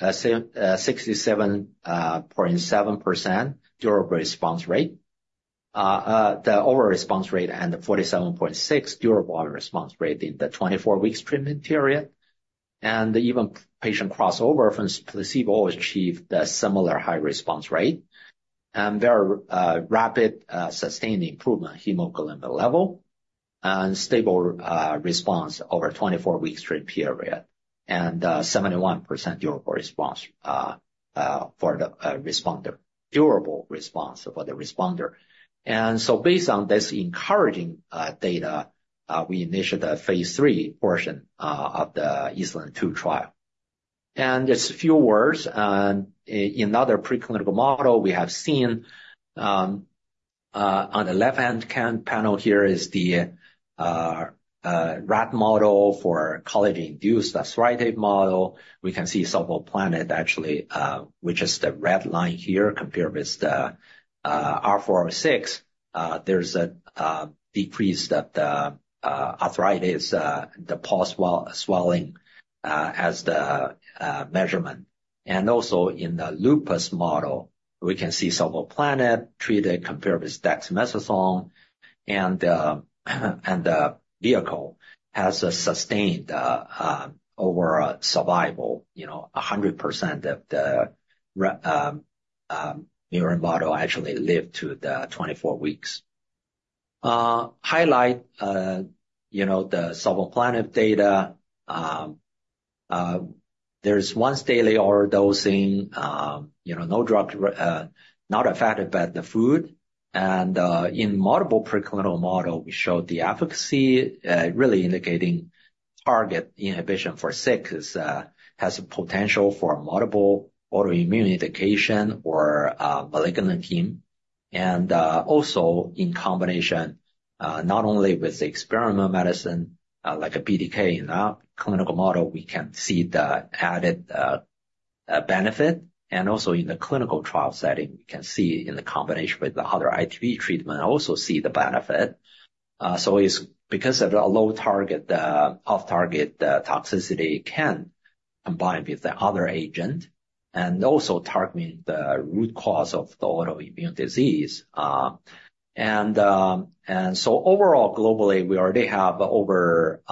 67.7% durable response rate, the overall response rate and the 47.6% durable response rate in the 24 weeks treatment period. And even patient crossover from placebo achieved a similar high response rate and very rapid, sustained improvement hemoglobin level and stable response over 24 weeks treatment period and 71% durable response for the responder, durable response for the responder. And so based on this encouraging data, we initiated a phase portion of the ESLIM-2 trial. And just a few words in another preclinical model we have seen, on the left hand panel here is the rat model for collagen induced arthritic model. We can see savolitinib actually, which is the red line here compared with the R406. There's a decrease in the arthritis paw swelling as the measurement. And also in the lupus model, we can see savolitinib treated compared with dexamethasone and the vehicle has a sustained overall survival. You know, 100% of the NZW model actually lived to the 24 weeks. To highlight, you know, the savolitinib data, there's once daily oral dosing, you know, no drug not affected by the food. And in multiple preclinical model, we showed the efficacy really indicating target inhibition for SYK, which has a potential for multiple autoimmune indication or malignant heme. And also in combination, not only with the experimental medicine like a BTK in that clinical model, we can see the added benefit. And also in the clinical trial setting, we can see in the combination with the other ITP treatment, also see the benefit. So it's because of the low target, off target, toxicity can combine with the other agent and also targeting the root cause of the autoimmune disease. And so overall globally we already have over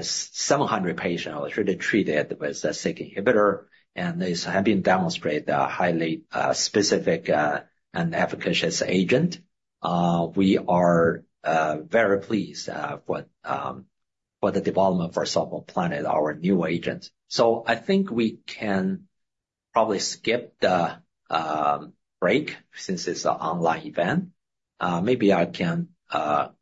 700 patients already treated with the SYK inhibitor and this have been demonstrated a highly specific and efficacious agent. We are very pleased for the development for savolitinib, our new agent. So I think we can probably skip the break since it's an online event. Maybe I can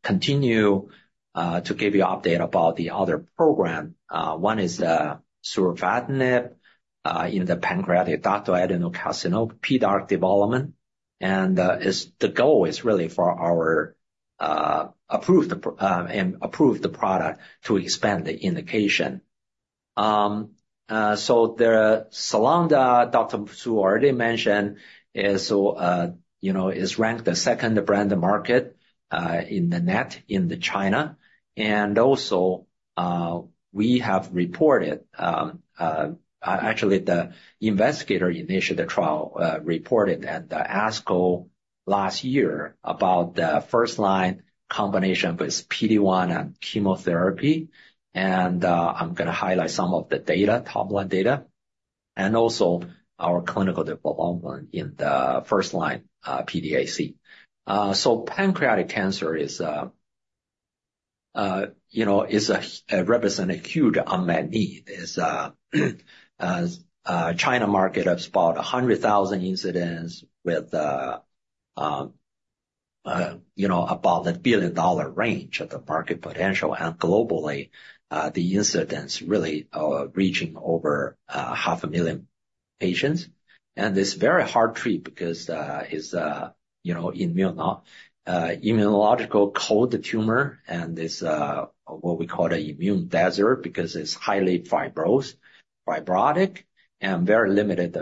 continue to give you update about the other program. One is the surufatinib in the pancreatic ductal adenocarcinoma PDAC development. And it's the goal is really for our approved and approved the product to expand the indication. So the Sulanda Dr. Su as already mentioned, is, you know, ranked the second brand in the market in the NET in China. And also, we have reported, actually the investigator-initiated trial, reported at the ASCO last year about the first-line combination with PD-1 and chemotherapy. And, I'm gonna highlight some of the data, top-line data and also our clinical development in the first line, PDAC. So pancreatic cancer is, you know, a represent a huge unmet need. It's a China market of about 100,000 incidence with, you know, about a $1 billion range of the market potential. And globally, the incidence really reaching over half a million patients. And this very hard to treat because, is, you know, immunologically cold the tumor and this, what we call the immune desert because it's highly fibrotic and very limited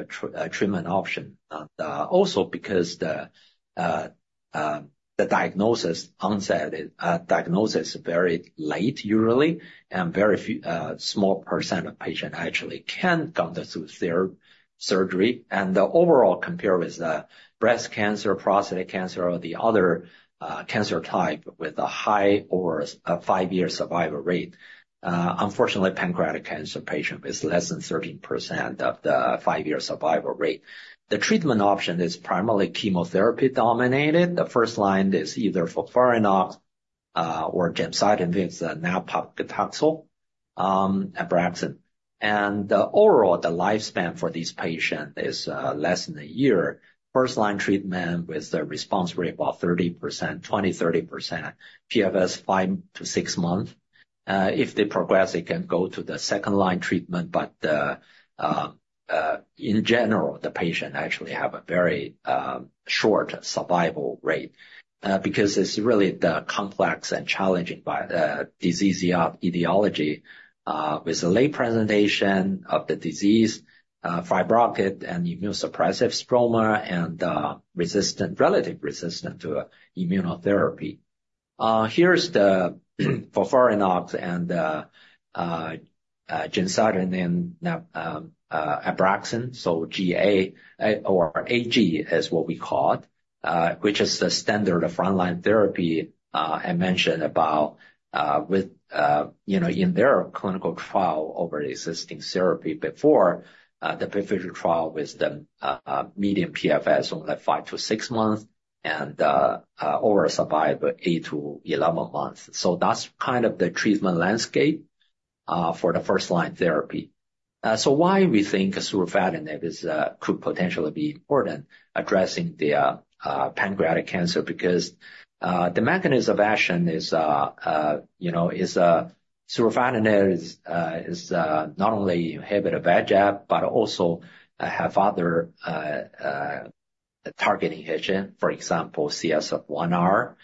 treatment option. Also, because the diagnosis onset is very late usually and very few, small percent of patients actually can go through their surgery. The overall compare with the breast cancer, prostate cancer or the other cancer type with a high over a five-year survival rate. Unfortunately, pancreatic cancer patients is less than 13% of the five-year survival rate. The treatment option is primarily chemotherapy dominated. The first line is either FOLFIRINOX or gemcitabine with nab-paclitaxel, Abraxane. And the overall, the lifespan for these patients is less than a year. First-line treatment with the response rate about 20%-30% PFS 5-6 months. If they progress, it can go to the second-line treatment. But in general, the patient actually have a very short survival rate, because it's really complex and challenging by the disease etiology, with the late presentation of the disease, fibrotic and immunosuppressive stroma and resistant, relatively resistant to immunotherapy. Here is the FOLFIRINOX and the gemcitabine and Abraxane. So GA or AG is what we call it, which is the standard of frontline therapy, I mentioned about, with, you know, in their clinical trial over existing therapy before, the pivotal trial with the median PFS only 5-6 months and overall survival 8-11 months. So that's kind of the treatment landscape for the first-line therapy. So why we think surufatinib could potentially be important addressing the pancreatic cancer because the mechanism of action is, you know, surufatinib is not only inhibit VEGF, but also has other targeting agent, for example, CSF1R,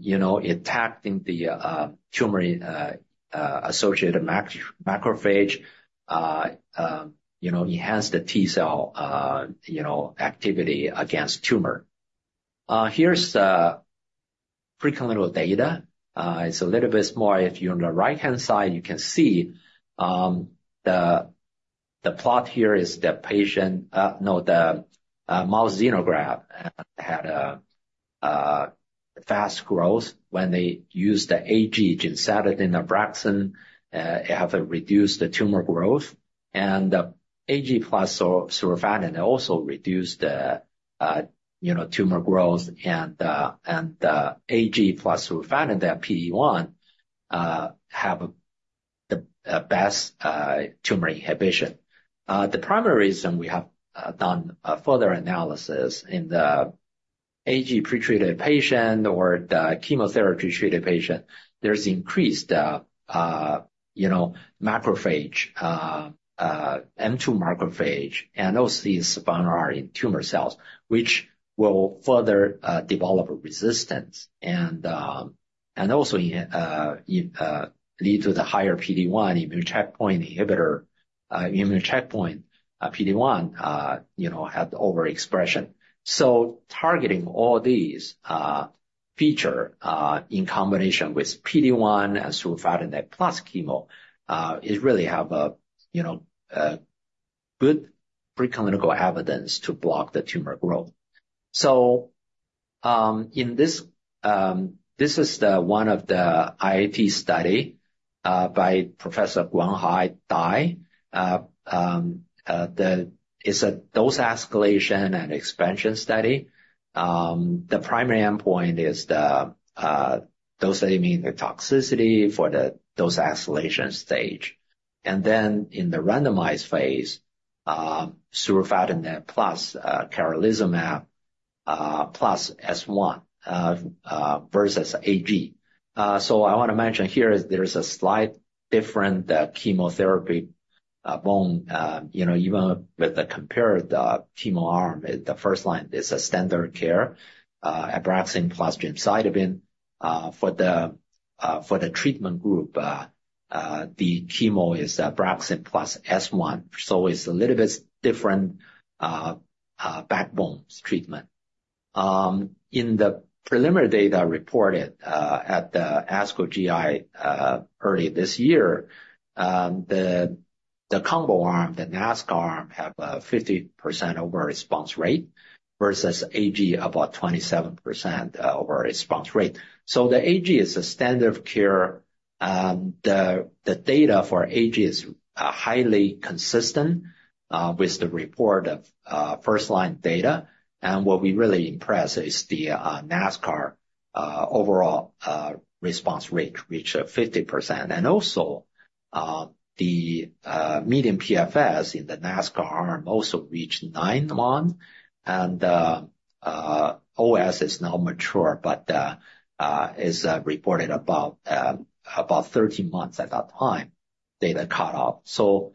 you know, attacking the tumor-associated macrophage, you know, enhance the T cell, you know, activity against tumor. Here's the preclinical data. It's a little bit more. If you're on the right hand side, you can see the plot here is the mouse xenograft had fast growth when they used the AG gemcitabine Abraxane. It have reduced the tumor growth and the AG plus surufatinib also reduced the tumor growth and the AG plus surufatinib the PD1 have the best tumor inhibition. The primary reason we have done further analysis in the AG pretreated patient or the chemotherapy treated patient, there's increased, you know, macrophage, M2 macrophage and CSF1R in tumor cells, which will further develop a resistance and also in lead to the higher PD1 immune checkpoint inhibitor, immune checkpoint, PD1, you know, had overexpression. So targeting all these features in combination with PD1 and surufatinib plus chemo is really have a, you know, good preclinical evidence to block the tumor growth. So, in this, this is one of the IIT studies by Professor Guanghai Dai, it's a dose escalation and expansion study. The primary endpoint is the dose, that means the toxicity for the dose escalation stage. And then in the randomized phase, surufatinib plus camrelizumab plus S-1 versus AG. So I wanna mention here is there's a slight difference in the chemotherapy backbone, you know, even with the compared to the chemo arm, the first line is a standard care, Abraxane plus gemcitabine. For the, for the treatment group, the chemo is Abraxane plus S1. So it's a little bit different backbone treatment. In the preliminary data reported at the ASCO GI early this year, the, the combo arm, the NASCA have a 50% overall response rate versus AG about 27% overall response rate. So the AG is a standard of care. The, the data for AG is highly consistent with the report of first line data. And what we really impress is the NASCA overall response rate, which is 50%. And also, the median PFS in the NASCA arm also reached nine months and OS is now mature, but is reported about 13 months at that time data cutoff. So,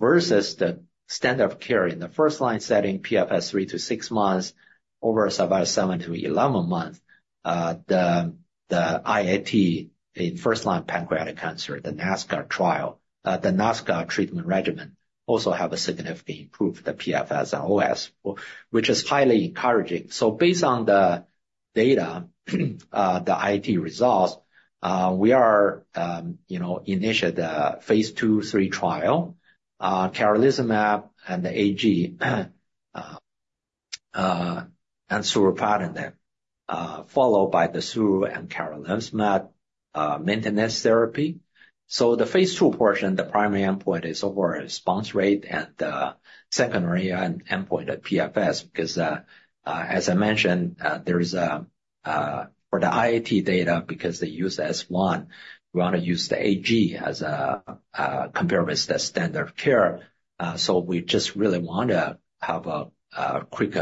versus the standard of care in the first line setting, PFS 3-6 months, overall survival 7-11 months, the IIT in first line pancreatic cancer, the NASCA trial, the NASCA treatment regimen also have a significant improvement, the PFS and OS, which is highly encouraging. So based on the data, the IIT results, we are, you know, initiate the phase 2/3 trial, camrelizumab and the AG, and surufatinib, followed by the sur and camrelizumab maintenance therapy. So the phase II portion, the primary endpoint is overall response rate and the secondary endpoint is PFS because, as I mentioned, there is a, for the IIT data because they use S1, we wanna use the AG as a, compare with the standard of care. So we just really wanna have a quick,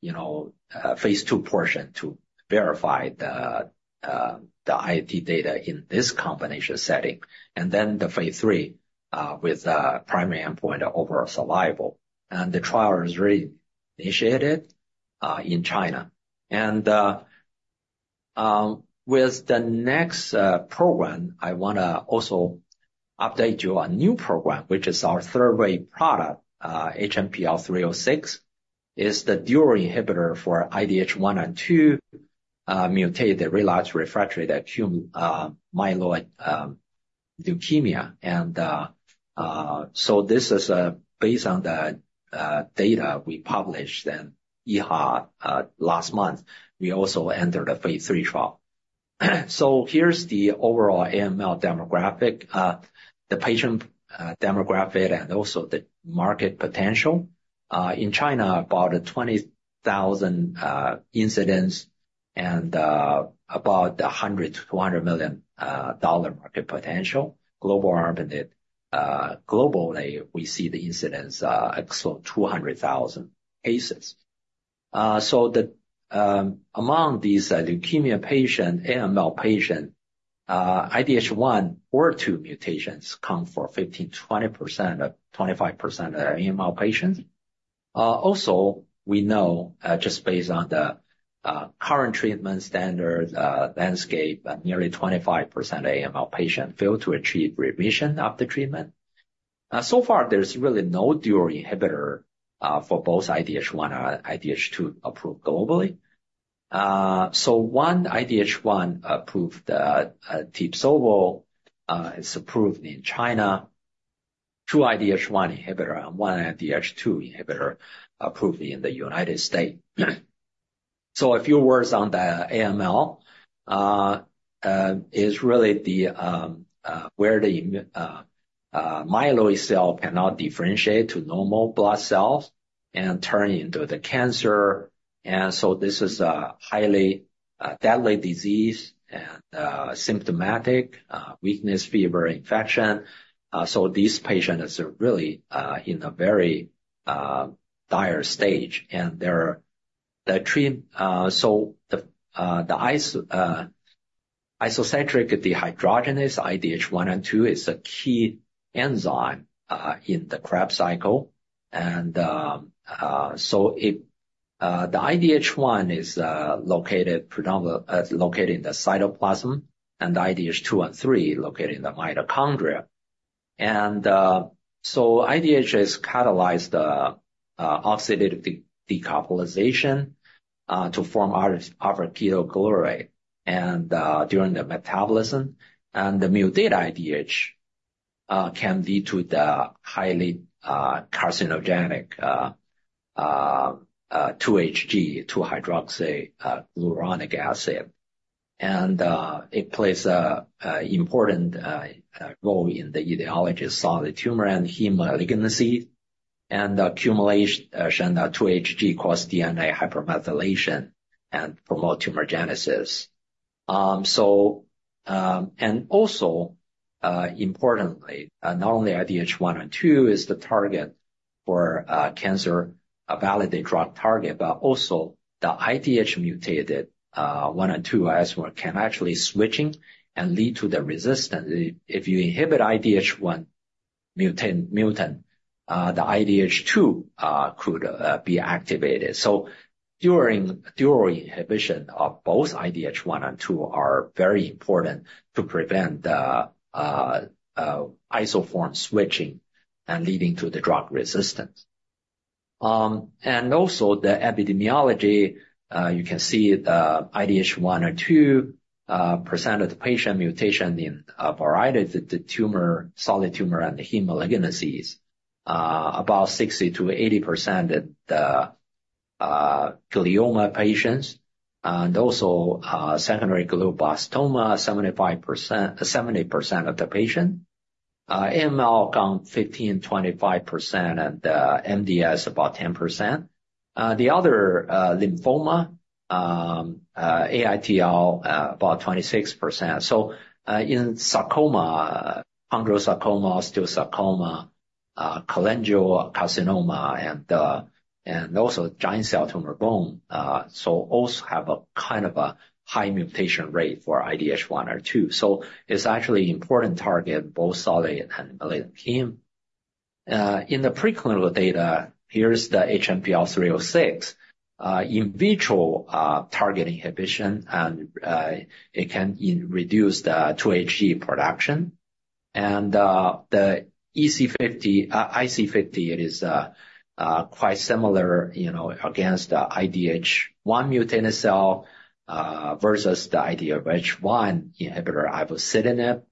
you know, phase II portion to verify the IIT data in this combination setting. And then the phase III, with the primary endpoint of overall survival. And the trial is really initiated in China. And with the next program, I wanna also update you a new program, which is our third wave product, HMPL-306 is the dual inhibitor for IDH1 and IDH2, mutated relapsed refractory acute myeloid leukemia. And so this is based on the data we published in EHA last month, we also entered a phase III trial. So here's the overall AML demographic, the patient demographic and also the market potential. In China, about 20,000 incidence and about $100-$200 million dollar market potential. Globally, we see the incidence exceeding 200,000 cases. So among these leukemia patients, AML patients, IDH1 or IDH2 mutations account for 15%-25% of AML patients. Also we know, just based on the current treatment standard landscape, nearly 25% of AML patients fail to achieve remission of the treatment. So far there's really no dual inhibitor for both IDH1 and IDH2 approved globally. So one IDH1 approved, TIBSOVO, is approved in China, two IDH1 inhibitors and one IDH2 inhibitor approved in the United States. So a few words on the AML, is really where the myeloid cell cannot differentiate to normal blood cells and turn into the cancer. And so this is a highly deadly disease and symptomatic weakness, fever, infection. So this patient is really in a very dire stage and there the treatment, so the isocitrate dehydrogenase IDH1 and IDH2 is a key enzyme in the Krebs cycle. And so it, the IDH1 is located predominantly in the cytoplasm and the IDH2 and IDH3 located in the mitochondria. And so IDH catalyzes the oxidative decarboxylation to form alpha-ketoglutarate and during the metabolism and the mutant IDH can lead to the highly carcinogenic 2-HG, 2-hydroxyglutaric acid. It plays an important role in the etiology of solid tumor and hematologic malignancy, and accumulation of 2-HG causes DNA hypermethylation and promotes tumorigenesis. Importantly, not only IDH1 and IDH2 is the target for cancer, a valid drug target, but also the IDH mutated one and two as well can actually switch and lead to the resistance. If you inhibit IDH1 mutant, mutant, the IDH2 could be activated. So during inhibition of both IDH1 and IDH2 are very important to prevent the isoform switching and leading to the drug resistance. And also the epidemiology, you can see the IDH1 or 2% of the patient mutation in a variety of the tumor, solid tumor and the hematologic malignancy is about 60%-80% at the glioma patients. And also, secondary glioblastoma, 75%, 70% of the patient, AML 15%, 25% and the MDS about 10%. The other, lymphoma, AITL, about 26%. So, in sarcoma, chondrosarcoma, osteosarcoma, cholangiocarcinoma and, and also giant cell tumor bone, so also have a kind of a high mutation rate for IDH1 or 2. So it's actually important target both solid and malignant heme. In the preclinical data, here's the HMPL-306, in vitro, target inhibition and, it can reduce the 2HG production. And, the EC50, IC50, it is, quite similar, you know, against the IDH1 mutated cell, versus the IDH1 inhibitor, ivosidenib,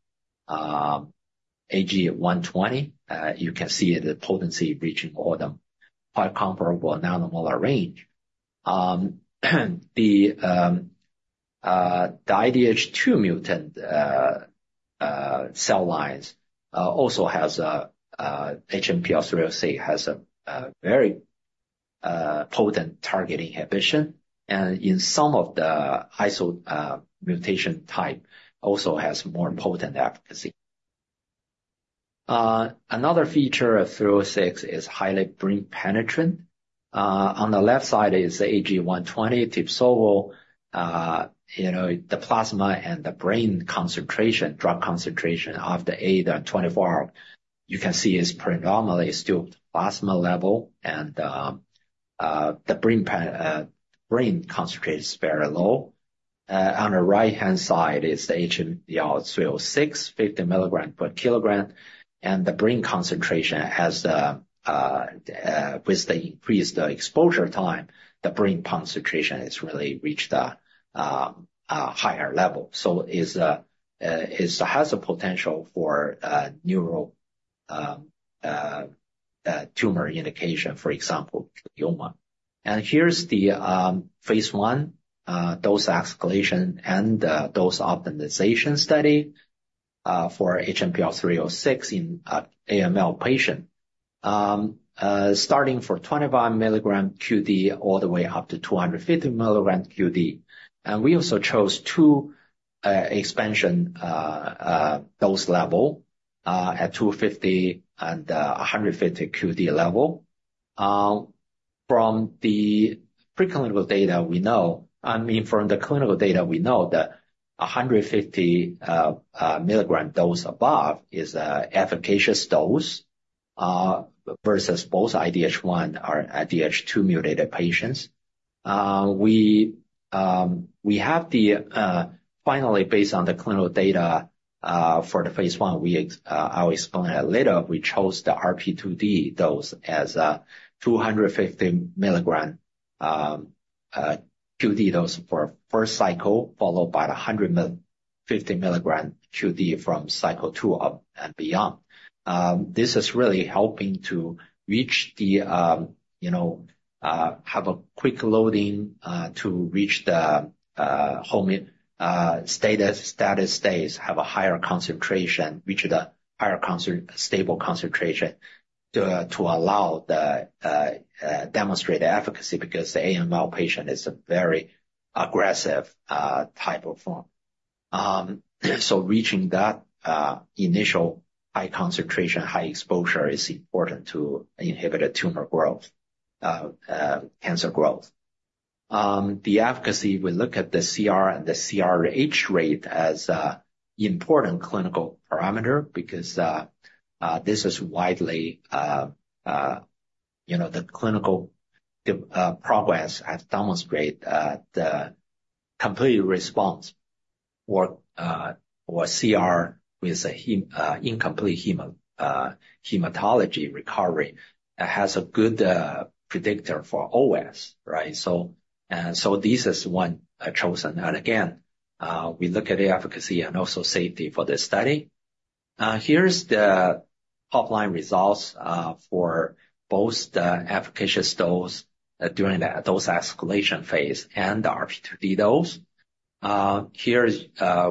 AG-120. You can see the potency reaching a ton, quite comparable nanomolar range. The, the IDH2 mutant, cell lines, also has a, HMPL-306 has a, very, potent target inhibition. And in some of the IDH, mutation type also has more potent efficacy. Another feature of 306 is highly brain penetrant. On the left side is the AG-120 TIBSOVO, you know, the plasma and the brain concentration, drug concentration of the AG-120, you can see is predominantly still plasma level and, the brain concentration is very low. On the right hand side is the HMPL-306, 50 mg/kg. And the brain concentration has, with the increased exposure time, the brain concentration has really reached the higher level. So it is a, it has a potential for neuro tumor indication, for example, glioma. And here's the phase I dose escalation and dose optimization study for HMPL-306 in AML patient, starting for 25 mg QD all the way up to 250 mg QD. And we also chose two expansion dose level at 250 mg and 150 mg QD level. From the preclinical data, we know, I mean, from the clinical data, we know that 150 mg dose above is an efficacious dose, versus both IDH1 or IDH2 mutated patients. We have the, finally based on the clinical data, for the phase I, we, I'll explain a little, we chose the RP2D dose as a 250 mg QD dose for first cycle, followed by the 150 mg QD from cycle two up and beyond. This is really helping to reach the, you know, have a quick loading, to reach the homeostatic states, have a higher concentration, reach the higher constant stable concentration to allow the demonstrate the efficacy because the AML patient is a very aggressive type of form. So reaching that initial high concentration, high exposure is important to inhibit a tumor growth, cancer growth. The efficacy, we look at the CR and the CRh rate as an important clinical parameter because, this is widely, you know, the clinical progress has demonstrated, the complete response or CR with incomplete hematologic recovery has a good predictor for OS, right? So this is one chosen. And again, we look at the efficacy and also safety for the study. Here's the top line results, for both the efficacious dose during the dose escalation phase and the RP2D dose. Here's,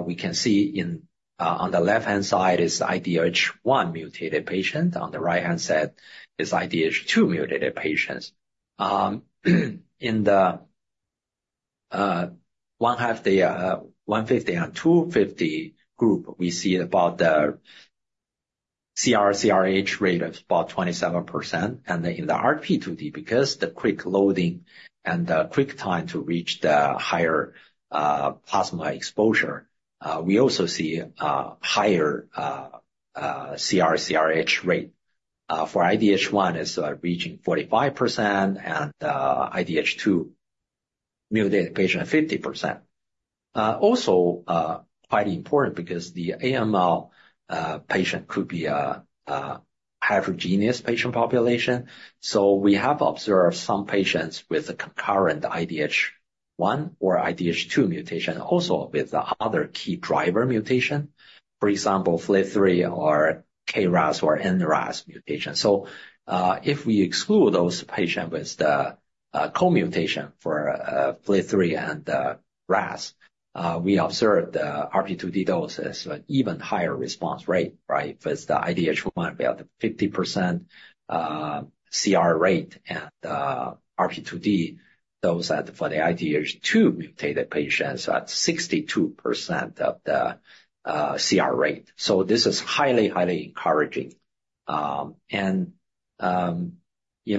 we can see in, on the left hand side is IDH1 mutated patient, on the right hand side is IDH2 mutated patients. In the 150 mg and 250 mg group, we see about the CR CRh rate of about 27%. Then in the RP2D, because the quick loading and the quick time to reach the higher plasma exposure, we also see higher CRh rate for IDH1 reaching 45% and IDH2-mutated patients at 50%. Also, quite important because the AML patient could be a heterogeneous patient population. So we have observed some patients with a concurrent IDH1 or IDH2 mutation also with the other key driver mutation, for example, FLT3 or KRAS or NRAS mutation. So, if we exclude those patients with the co-mutation for FLT3 and the RAS, we observed the RP2D dose has an even higher response rate, right? With the IDH1 about the 50% CR rate and RP2D dose at for the IDH2-mutated patients at 62% of the CR rate. So this is highly, highly encouraging. and, you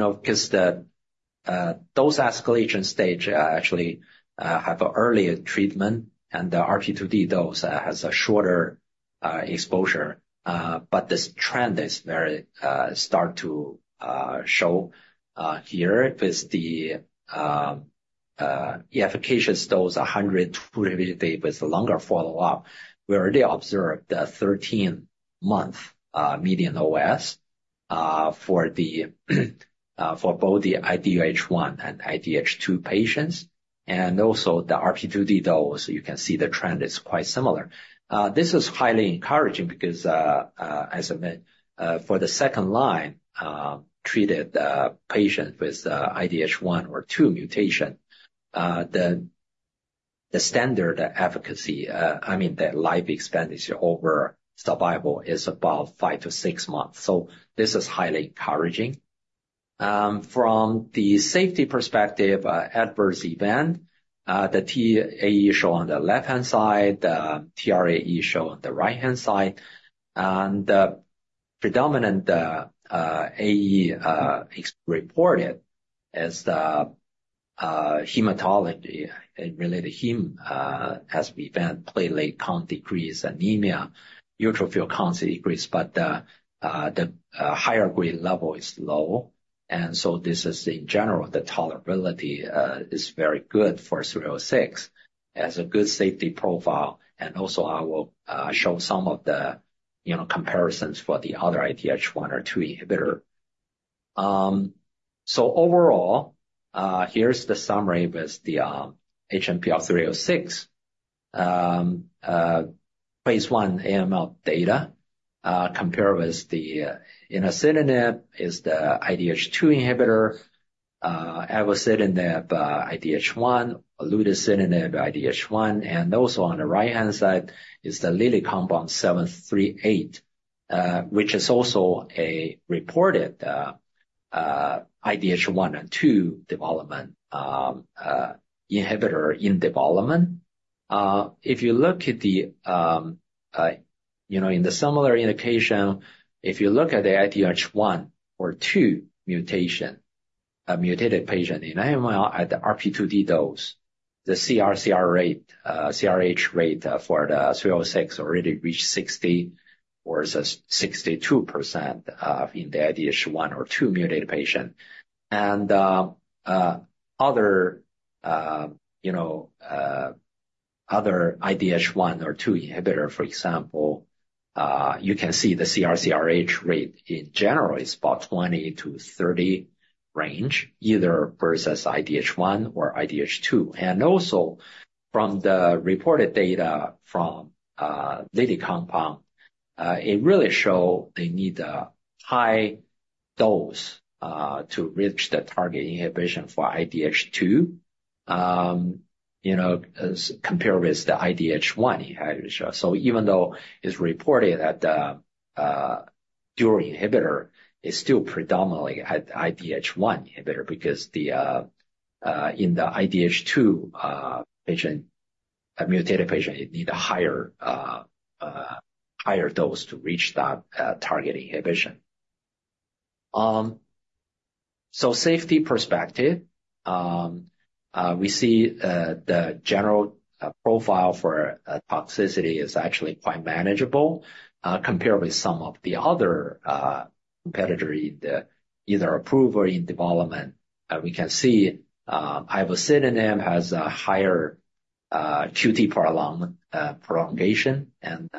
know, 'cause the dose escalation stage actually have an earlier treatment and the RP2D dose has a shorter exposure. But this trend very start to show here with the efficacious dose 100 mg, 250 mg with a longer follow-up. We already observed the 13-month median OS for both the IDH1 and IDH2 patients. And also the RP2D dose, you can see the trend is quite similar. This is highly encouraging because, as I mentioned, for the second line treated patient with IDH1 or IDH2 mutation, the standard efficacy, I mean that life expectancy overall survival is about 5-6 months. So this is highly encouraging. From the safety perspective, adverse event, the TEAE show on the left hand side, the TRAE show on the right hand side. The predominant AE reported as the hematology and related heme has event platelet count decrease, anemia, neutrophil count decrease, but the higher grade level is low. And so this is in general, the tolerability is very good for 306 as a good safety profile. And also I will show some of the, you know, comparisons for the other IDH1 or 2 inhibitor. So overall, here's the summary with the HMPL-306 phase I AML data, compared with enasidenib, the IDH2 inhibitor, ivosidenib IDH1, olutasidenib IDH1. And also on the right-hand side is the Lilly compound 738, which is also a reported IDH1 and 2 development inhibitor in development. If you look at the, you know, in the similar indication, if you look at the IDH1 or IDH2 mutation mutated patient in AML at the RP2D dose, the CR/CRh rate for the 306 already reached 60% or 62% of in the IDH1 or IDH2 mutated patient. And other, you know, other IDH1 or IDH2 inhibitor, for example, you can see the CR/CRh rate in general is about 20-30 range, either versus IDH1 or IDH2. And also from the reported data from Lilly compound, it really show they need a high dose to reach the target inhibition for IDH2, you know, as compared with the IDH1 inhibitor. So even though it's reported that the dual inhibitor is still predominantly at the IDH1 inhibitor because the in the IDH2 patient, a mutated patient needs a higher dose to reach that target inhibition. So from a safety perspective, we see the general profile for toxicity is actually quite manageable, compared with some of the other competitors either approved or in development. We can see enasidenib has a higher QT prolongation, and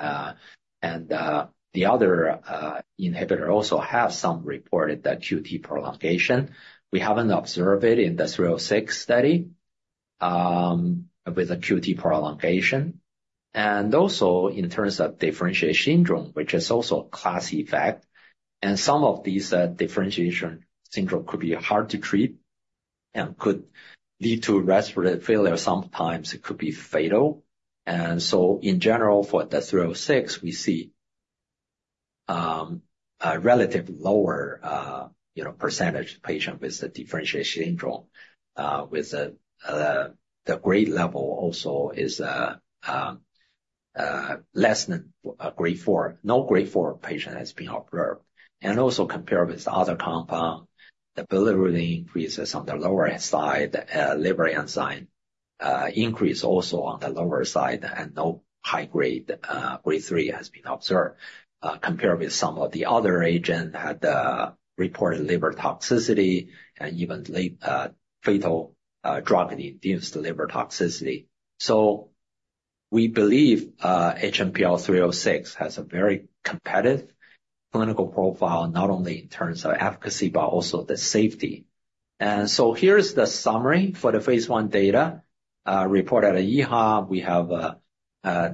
the other inhibitors also have some reported QT prolongation. We haven't observed it in the 306 study with a QT prolongation. And also in terms of differentiation syndrome, which is also a class effect. And some of these differentiation syndromes could be hard to treat and could lead to respiratory failure. Sometimes it could be fatal. In general for the 306, we see a relatively lower, you know, percentage of patients with the differentiation syndrome, with the grade level also less than grade four.No grade four patient has been observed. Also compared with other compounds, the bilirubin increases on the lower side; liver enzyme increases also on the lower side and no high-grade grade three has been observed, compared with some of the other agents that have reported liver toxicity and even late, fatal, drug-induced liver toxicity. So we believe HMPL-306 has a very competitive clinical profile, not only in terms of efficacy, but also the safety. So here's the summary for the phase I data, reported at EHA. We have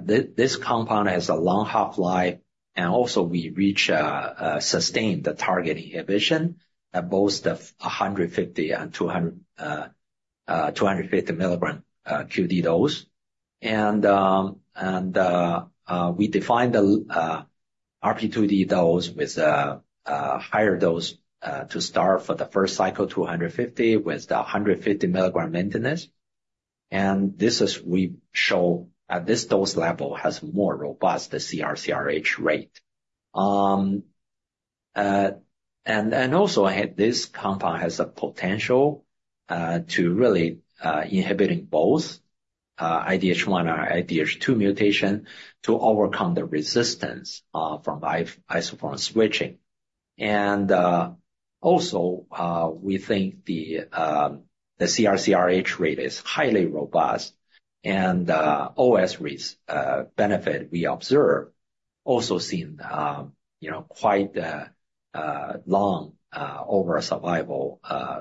this compound has a long half-life and also we reach sustained the target inhibition at both the 150 mg and 250 mg QD dose. We define the RP2D dose with a higher dose to start for the first cycle, 250 with the 150 mg maintenance. And this is, we show at this dose level has more robust the CRh rate. And also this compound has a potential to really inhibit both IDH1 or IDH2 mutation to overcome the resistance from isoform switching. And also, we think the CRh rate is highly robust and OS benefit we observed also seen, you know, quite long overall survival,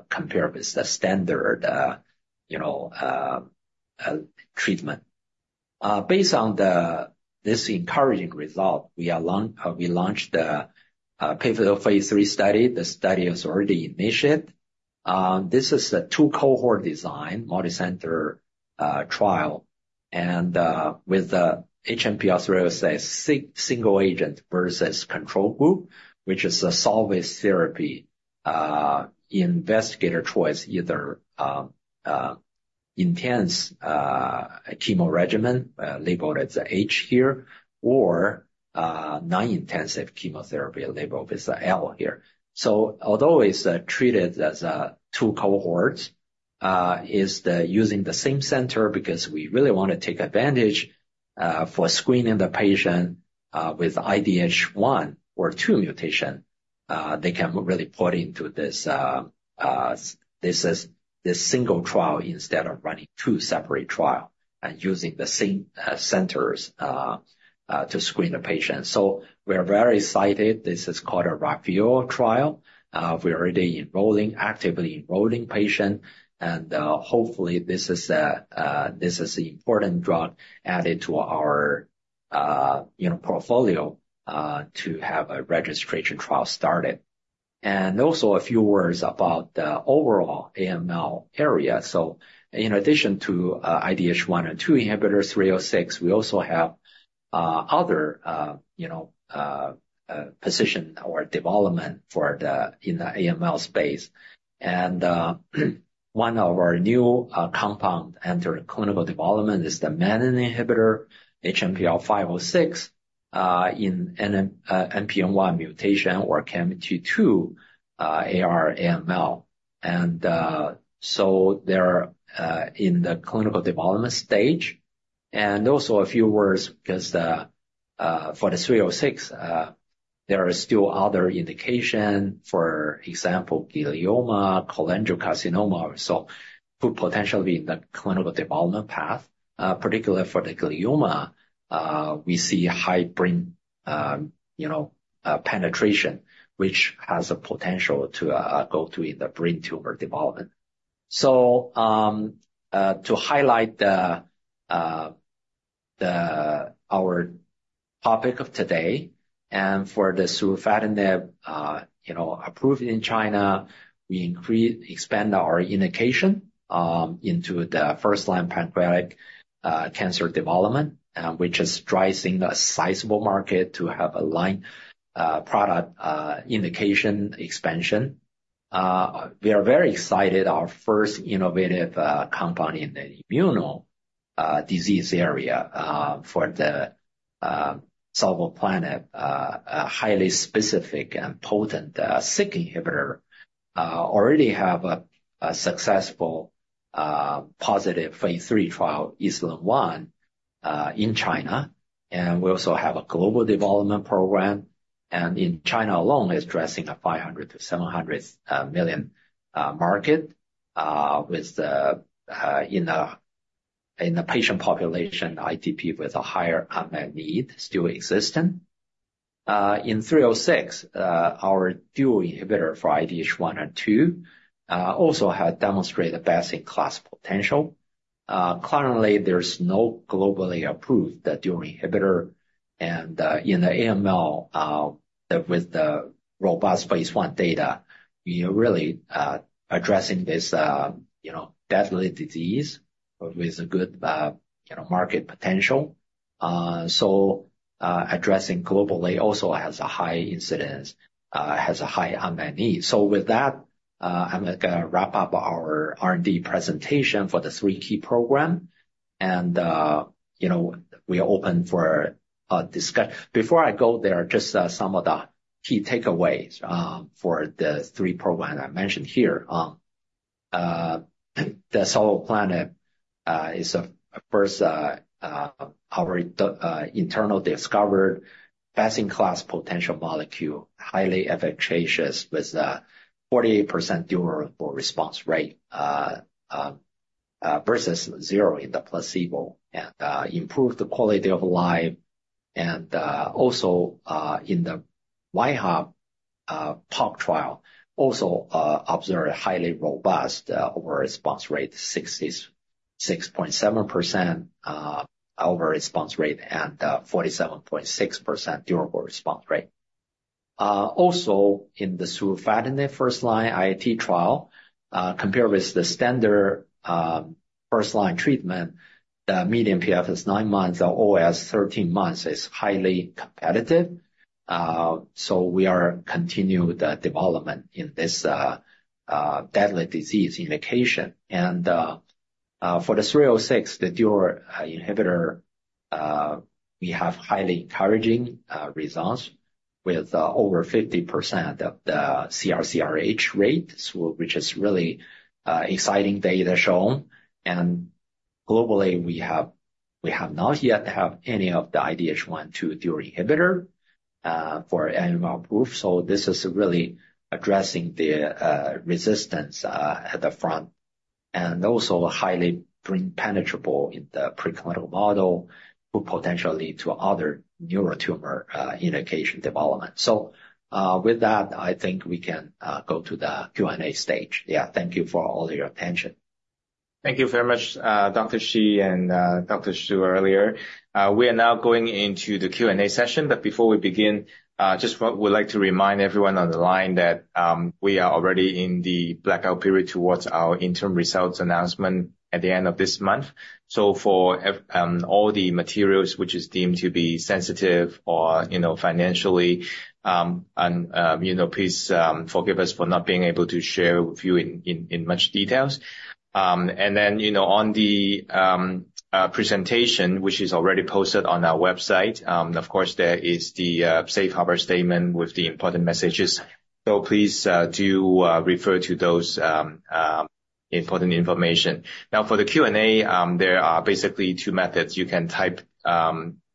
compared with the standard, you know, treatment. Based on this encouraging result, we are launching the phase III study. The study is already initiated. This is a two-cohort design multicenter trial. With the HMPL-306 single agent versus control group, which is a solid therapy, investigator choice, either intense chemo regimen, labeled as a H here, or non-intensive chemotherapy labeled with a L here. So although it's treated as two cohorts, it's using the same center because we really wanna take advantage for screening the patient with IDH1 or IDH2 mutation; they can really put into this, this is this single trial instead of running two separate trial and using the same centers to screen the patient. So we are very excited. This is called a RAPHAEL trial. We are already enrolling, actively enrolling patients. Hopefully this is a, this is an important drug added to our, you know, portfolio, to have a registration trial started. Also a few words about the overall AML area. So in addition to IDH1 and IDH2 inhibitor 306, we also have other, you know, programs or developments in the AML space. One of our new compounds entered clinical development is the menin inhibitor HMPL-506 in NPM1 mutation or KMT2A rearranged AML. So they're in the clinical development stage. Also a few words because the for the 306, there are still other indications for example, glioma, cholangiocarcinoma, so could potentially be in the clinical development path, particularly for the glioma, we see high brain, you know, penetration, which has a potential to go to in the brain tumor development. So, to highlight our topic of today and for the surufatinib, you know, approved in China, we increase, expand our indication, into the first-line pancreatic cancer development, which is driving a sizable market to have a frontline product indication expansion. We are very excited. Our first innovative company in the immuno disease area, for the savolitinib, highly specific and potent SYK inhibitor, already have a successful positive Phase III trial, EST-101, in China. And we also have a global development program and in China alone is addressing a 500 million-700 million market, with the patient population, ITP with a higher unmet need still existent. In 306, our dual inhibitor for IDH1 and IDH2, also had demonstrated best-in-class potential. Currently there's no globally approved dual inhibitor. In the AML, with the robust phase I data, you know, really addressing this, you know, deadly disease with a good, you know, market potential. So, addressing globally also has a high incidence, has a high unmet need. So with that, I'm gonna wrap up our R&D presentation for the three key program. And, you know, we are open for a discussion. Before I go there, just some of the key takeaways for the three programs I mentioned here. savolitinib is our first internally discovered best-in-class potential molecule, highly efficacious with a 48% durable response rate versus 0% in the placebo and improved the quality of life. And also, in the wAIHA top trial, also observed a highly robust overall response rate, 66.7% overall response rate and 47.6% durable response rate. Also in the surufatinib first-line NET trial, compared with the standard first-line treatment, the median PFS is nine months, the OS 13 months is highly competitive. So we are continuing the development in this deadly disease indication. And for the HMPL-306, the dual inhibitor, we have highly encouraging results with over 50% CR/CRh rate, which is really exciting data shown. And globally we have, we have not yet have any of the IDH1/2 dual inhibitor for AML approved. So this is really addressing the resistance at the front and also highly penetrable in the preclinical model could potentially lead to other neurotumor indication development. So with that, I think we can go to the Q&A stage. Yeah. Thank you for all your attention. Thank you very much, Dr. Shi and Dr. Su earlier. We are now going into the Q & A session, but before we begin, just what we'd like to remind everyone on the line that we are already in the blackout period towards our interim results announcement at the end of this month. So for all the materials which is deemed to be sensitive or, you know, financially, and, you know, please forgive us for not being able to share with you in much details. And then, you know, on the presentation which is already posted on our website, of course there is the safe harbor statement with the important messages. So please do refer to those important information. Now for the Q&A, there are basically two methods. You can type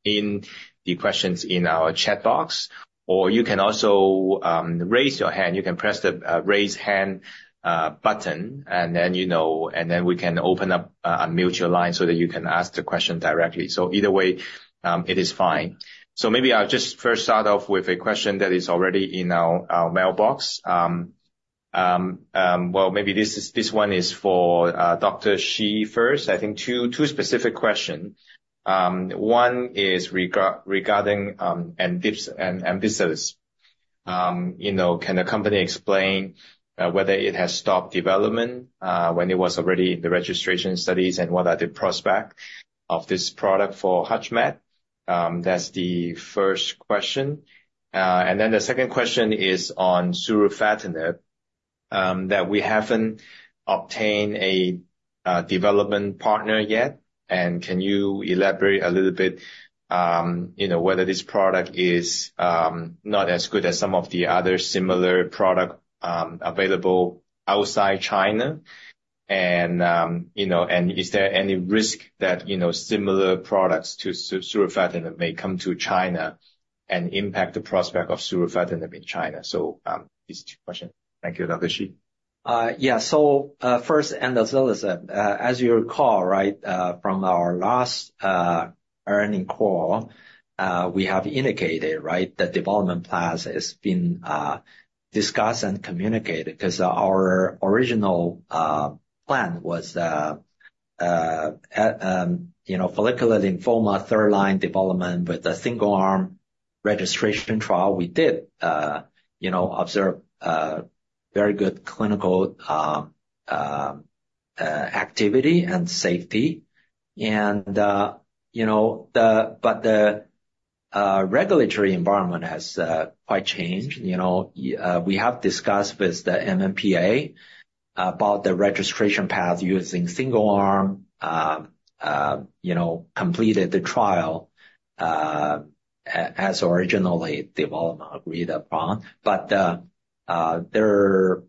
in the questions in our chat box or you can also raise your hand. You can press the raise hand button and then, you know, we can open up a mutual line so that you can ask the question directly. Either way, it is fine. Maybe I'll just first start off with a question that is already in our mailbox. Well, maybe this one is for Dr. Shi first. I think two specific questions. One is regarding and HMPL-689. You know, can the company explain whether it has stopped development when it was already in the registration studies and what are the prospects of this product for HUTCHMED? That's the first question. The second question is on surufatinib, that we haven't obtained a development partner yet. And can you elaborate a little bit, you know, whether this product is not as good as some of the other similar products available outside China? And, you know, is there any risk that, you know, similar products to surufatinib may come to China and impact the prospects of surufatinib in China? So, these two questions. Thank you, Dr. Shi. Yeah. So, first, as well as, as you recall, right, from our last earnings call, we have indicated, right, that development plans has been discussed and communicated 'cause our original plan was, you know, follicular lymphoma third line development with a single arm registration trial. We did, you know, observe very good clinical activity and safety. And, you know, but the regulatory environment has quite changed. You know, we have discussed with the NMPA about the registration path using single arm, you know, completed the trial, as originally development agreed upon. But there,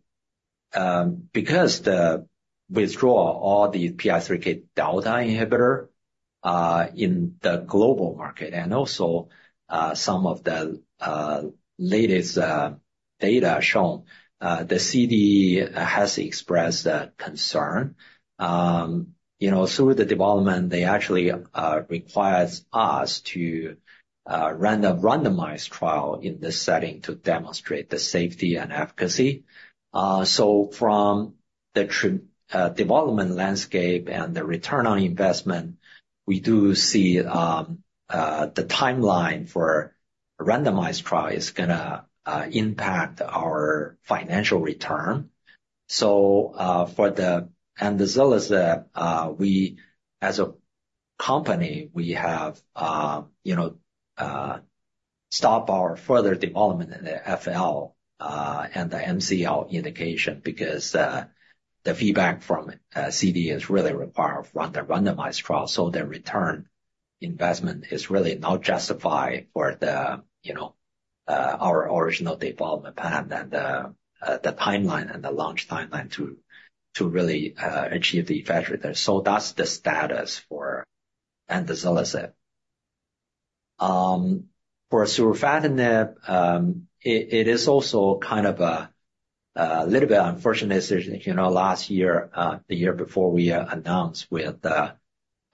because the withdrawal all the PI3K delta inhibitor in the global market and also some of the latest data shown, the CDE has expressed a concern. You know, through the development, they actually requires us to randomized trial in this setting to demonstrate the safety and efficacy. So from the trial development landscape and the return on investment, we do see the timeline for randomized trial is gonna impact our financial return. So for the end result is that, we as a company, we have, you know, stop our further development in the FL and the MCL indication because the feedback from CDE is really require randomized trial. So the ROI is really not justified for the, you know, our original development plan and the timeline and the launch timeline to really achieve the effect. So that's the status for the IDH. For surufatinib, it is also kind of a little bit unfortunate decision, you know, last year, the year before we announced with the,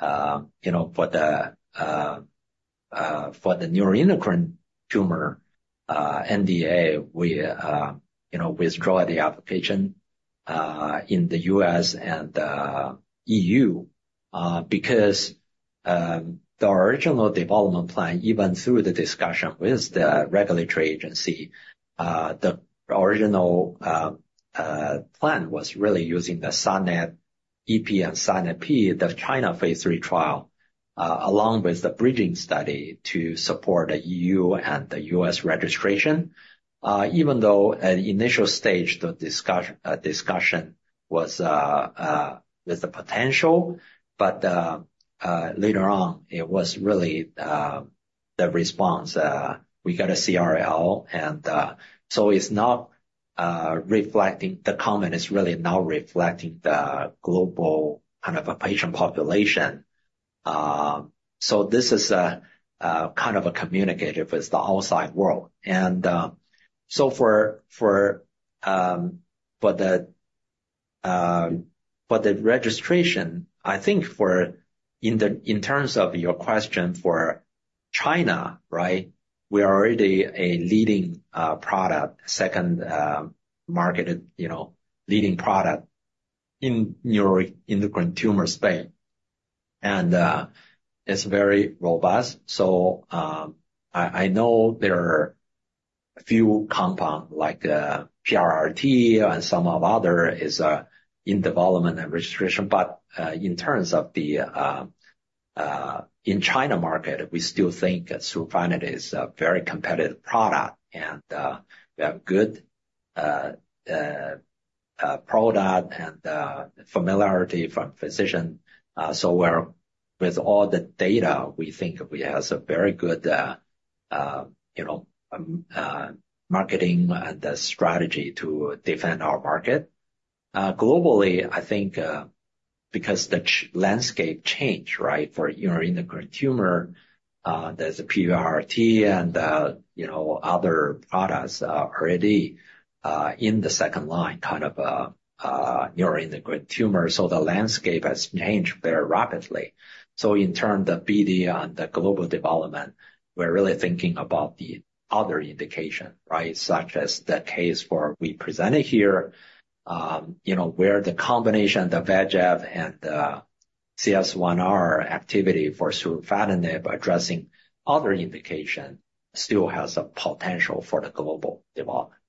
you know, for the, for the neuroendocrine tumor NDA, we, you know, withdrew the application in the U.S. and E.U., because the original development plan, even though the discussion with the regulatory agency, the original plan was really using the SANET-ep and SANET-p, the China phase III trial, along with the bridging study to support the E.U. and the U.S. registration. Even though at initial stage, the discussion was with the potential, but later on it was really the response we got a CRL and so it's not reflecting. The comment is really now reflecting the global kind of a patient population. So this is a kind of a communication with the outside world. So for the registration, I think in terms of your question for China, right, we are already a leading product, second marketed, you know, leading product in neuroendocrine tumor space and it's very robust. So I know there are a few compounds like a PRRT and some others in development and registration. But in terms of the in China market, we still think surufatinib is a very competitive product and we have good product and familiarity from physicians. So we're with all the data, we think we has a very good, you know, marketing and the strategy to defend our market. Globally, I think, because the landscape change, right, for your endocrine tumor, there's a PRRT and, you know, other products, already, in the second line kind of, neuroendocrine tumor. So the landscape has changed very rapidly. So in turn, the BD on the global development, we're really thinking about the other indication, right, such as the case for we presented here, you know, where the combination of the VEGF and the CSF1R activity for surufatinib addressing other indication still has a potential for the global development.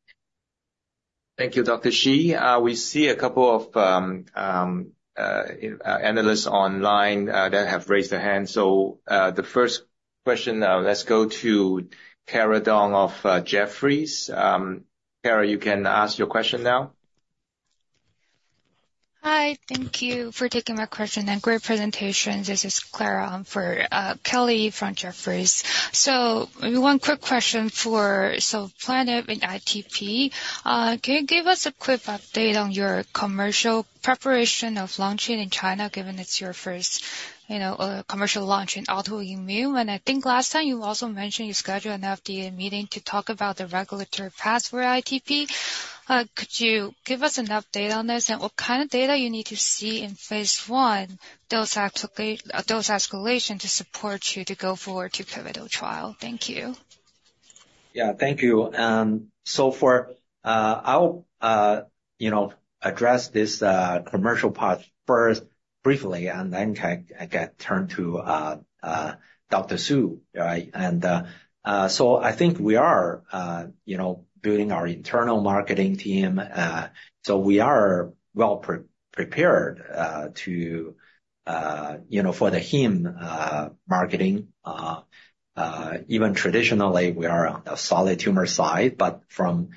Thank you, Dr. Shi. We see a couple of, analysts online, that have raised their hand. So, the first question, let's go to Clara Dong of, Jefferies. Clara, you can ask your question now. Hi, thank you for taking my question and great presentation. This is Clara for Kelly from Jefferies. So maybe one quick question for savolitinib in ITP. Can you give us a quick update on your commercial preparation of launching in China, given it's your first, you know, commercial launch in autoimmune? And I think last time you also mentioned you scheduled an FDA meeting to talk about the regulatory path for ITP. Could you give us an update on this and what kind of data you need to see in phase I dose escalation to support you to go forward to pivotal trial? Thank you. Yeah, thank you. So, I'll, you know, address this commercial part first briefly and then I can turn to Dr. Su, right? And so I think we are, you know, building our internal marketing team. So we are well prepared to, you know, for the hem marketing. Even traditionally we are on the solid tumor side, but from,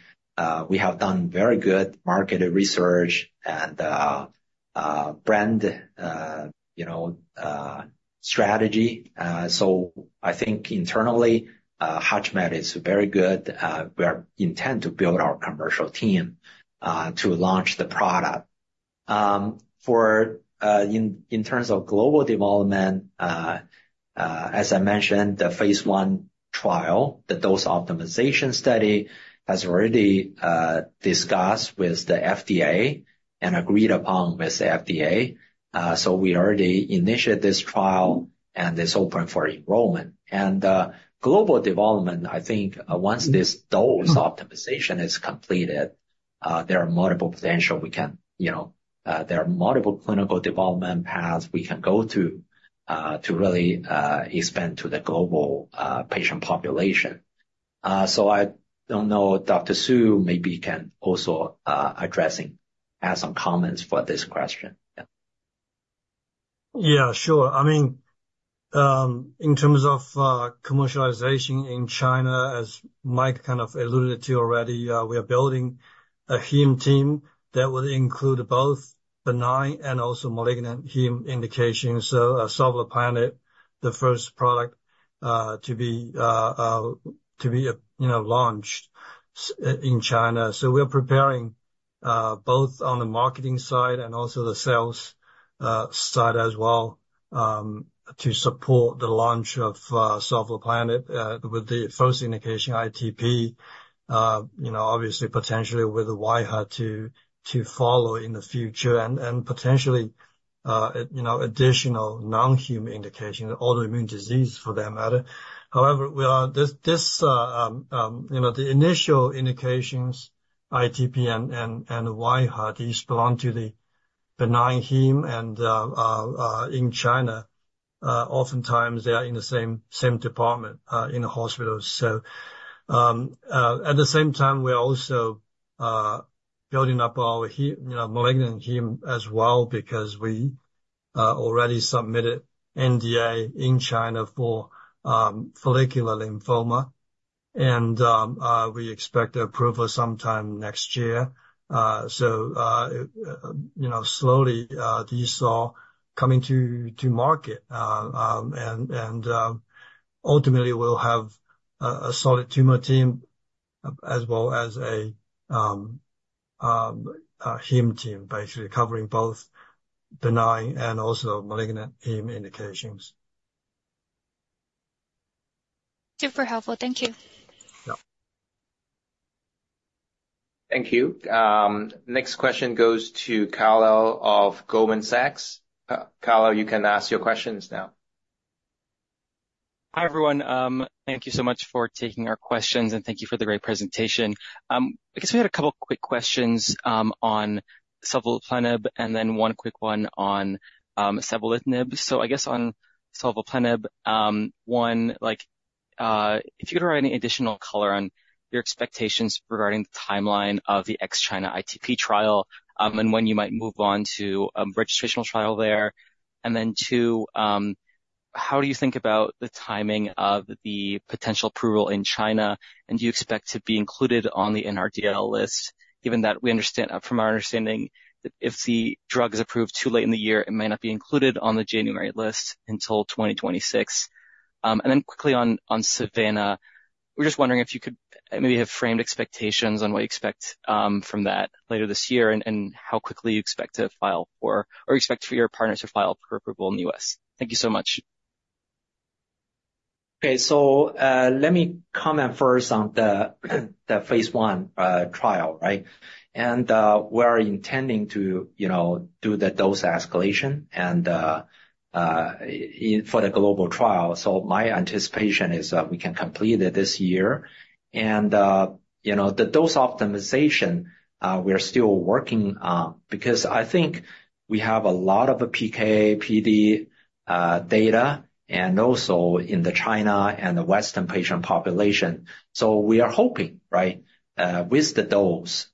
we have done very good market research and, brand, you know, strategy. So I think internally, HUTCHMED is very good. We intend to build our commercial team to launch the product. For, in, in terms of global development, as I mentioned, the phase I trial, the dose optimization study has already discussed with the FDA and agreed upon with the FDA. So we already initiated this trial and it's open for enrollment. Global development, I think, once this dose optimization is completed, there are multiple potential we can, you know, there are multiple clinical development paths we can go to, to really expand to the global patient population. So I don't know, Dr. Su, maybe can also addressing some comments for this question. Yeah. Yeah, sure. I mean, in terms of commercialization in China, as Mike kind of alluded to already, we are building a hem team that would include both benign and also malignant hem indication. So, savolitinib, the first product, to be launched, you know, in China. So we are preparing, both on the marketing side and also the sales side as well, to support the launch of savolitinib, with the first indication ITP, you know, obviously potentially with the wAIHA to follow in the future and potentially, you know, additional non-hem indication, autoimmune disease for that matter. However, you know, the initial indications ITP and wAIHA, these belong to the benign hem and in China, oftentimes they are in the same department in the hospitals. So, at the same time, we are also building up our malignant gene as well because we already submitted NDA in China for follicular lymphoma, and we expect the approval sometime next year. So, you know, slowly, these are coming to market, and ultimately we'll have a solid tumor team as well as a HEME team, basically covering both benign and also malignant HEME indications. Super helpful. Thank you. Yeah. Thank you. Next question goes to Kyle of Goldman Sachs. Kyle, you can ask your questions now. Hi everyone. Thank you so much for taking our questions and thank you for the great presentation. I guess we had a couple quick questions on savolitinib and then one quick one on savolitinib. So I guess on savolitinib, one, like, if you could provide any additional color on your expectations regarding the timeline of the ex-China ITP trial, and when you might move on to a registrational trial there. And then two, how do you think about the timing of the potential approval in China? And do you expect to be included on the NRDL list, given that we understand from our understanding that if the drug is approved too late in the year, it may not be included on the January list until 2026? And then quickly on, on SAVANNAH, we're just wondering if you could maybe frame expectations on what you expect from that later this year and, and how quickly you expect to file for or expect for your partners to file for approval in the US. Thank you so much. Okay, So, let me comment first on the phase I trial, right? And we are intending to, you know, do the dose escalation and for the global trial. So my anticipation is we can complete it this year and, you know, the dose optimization we are still working because I think we have a lot of PK, PD data and also in China and the Western patient population. So we are hoping, right, with the dose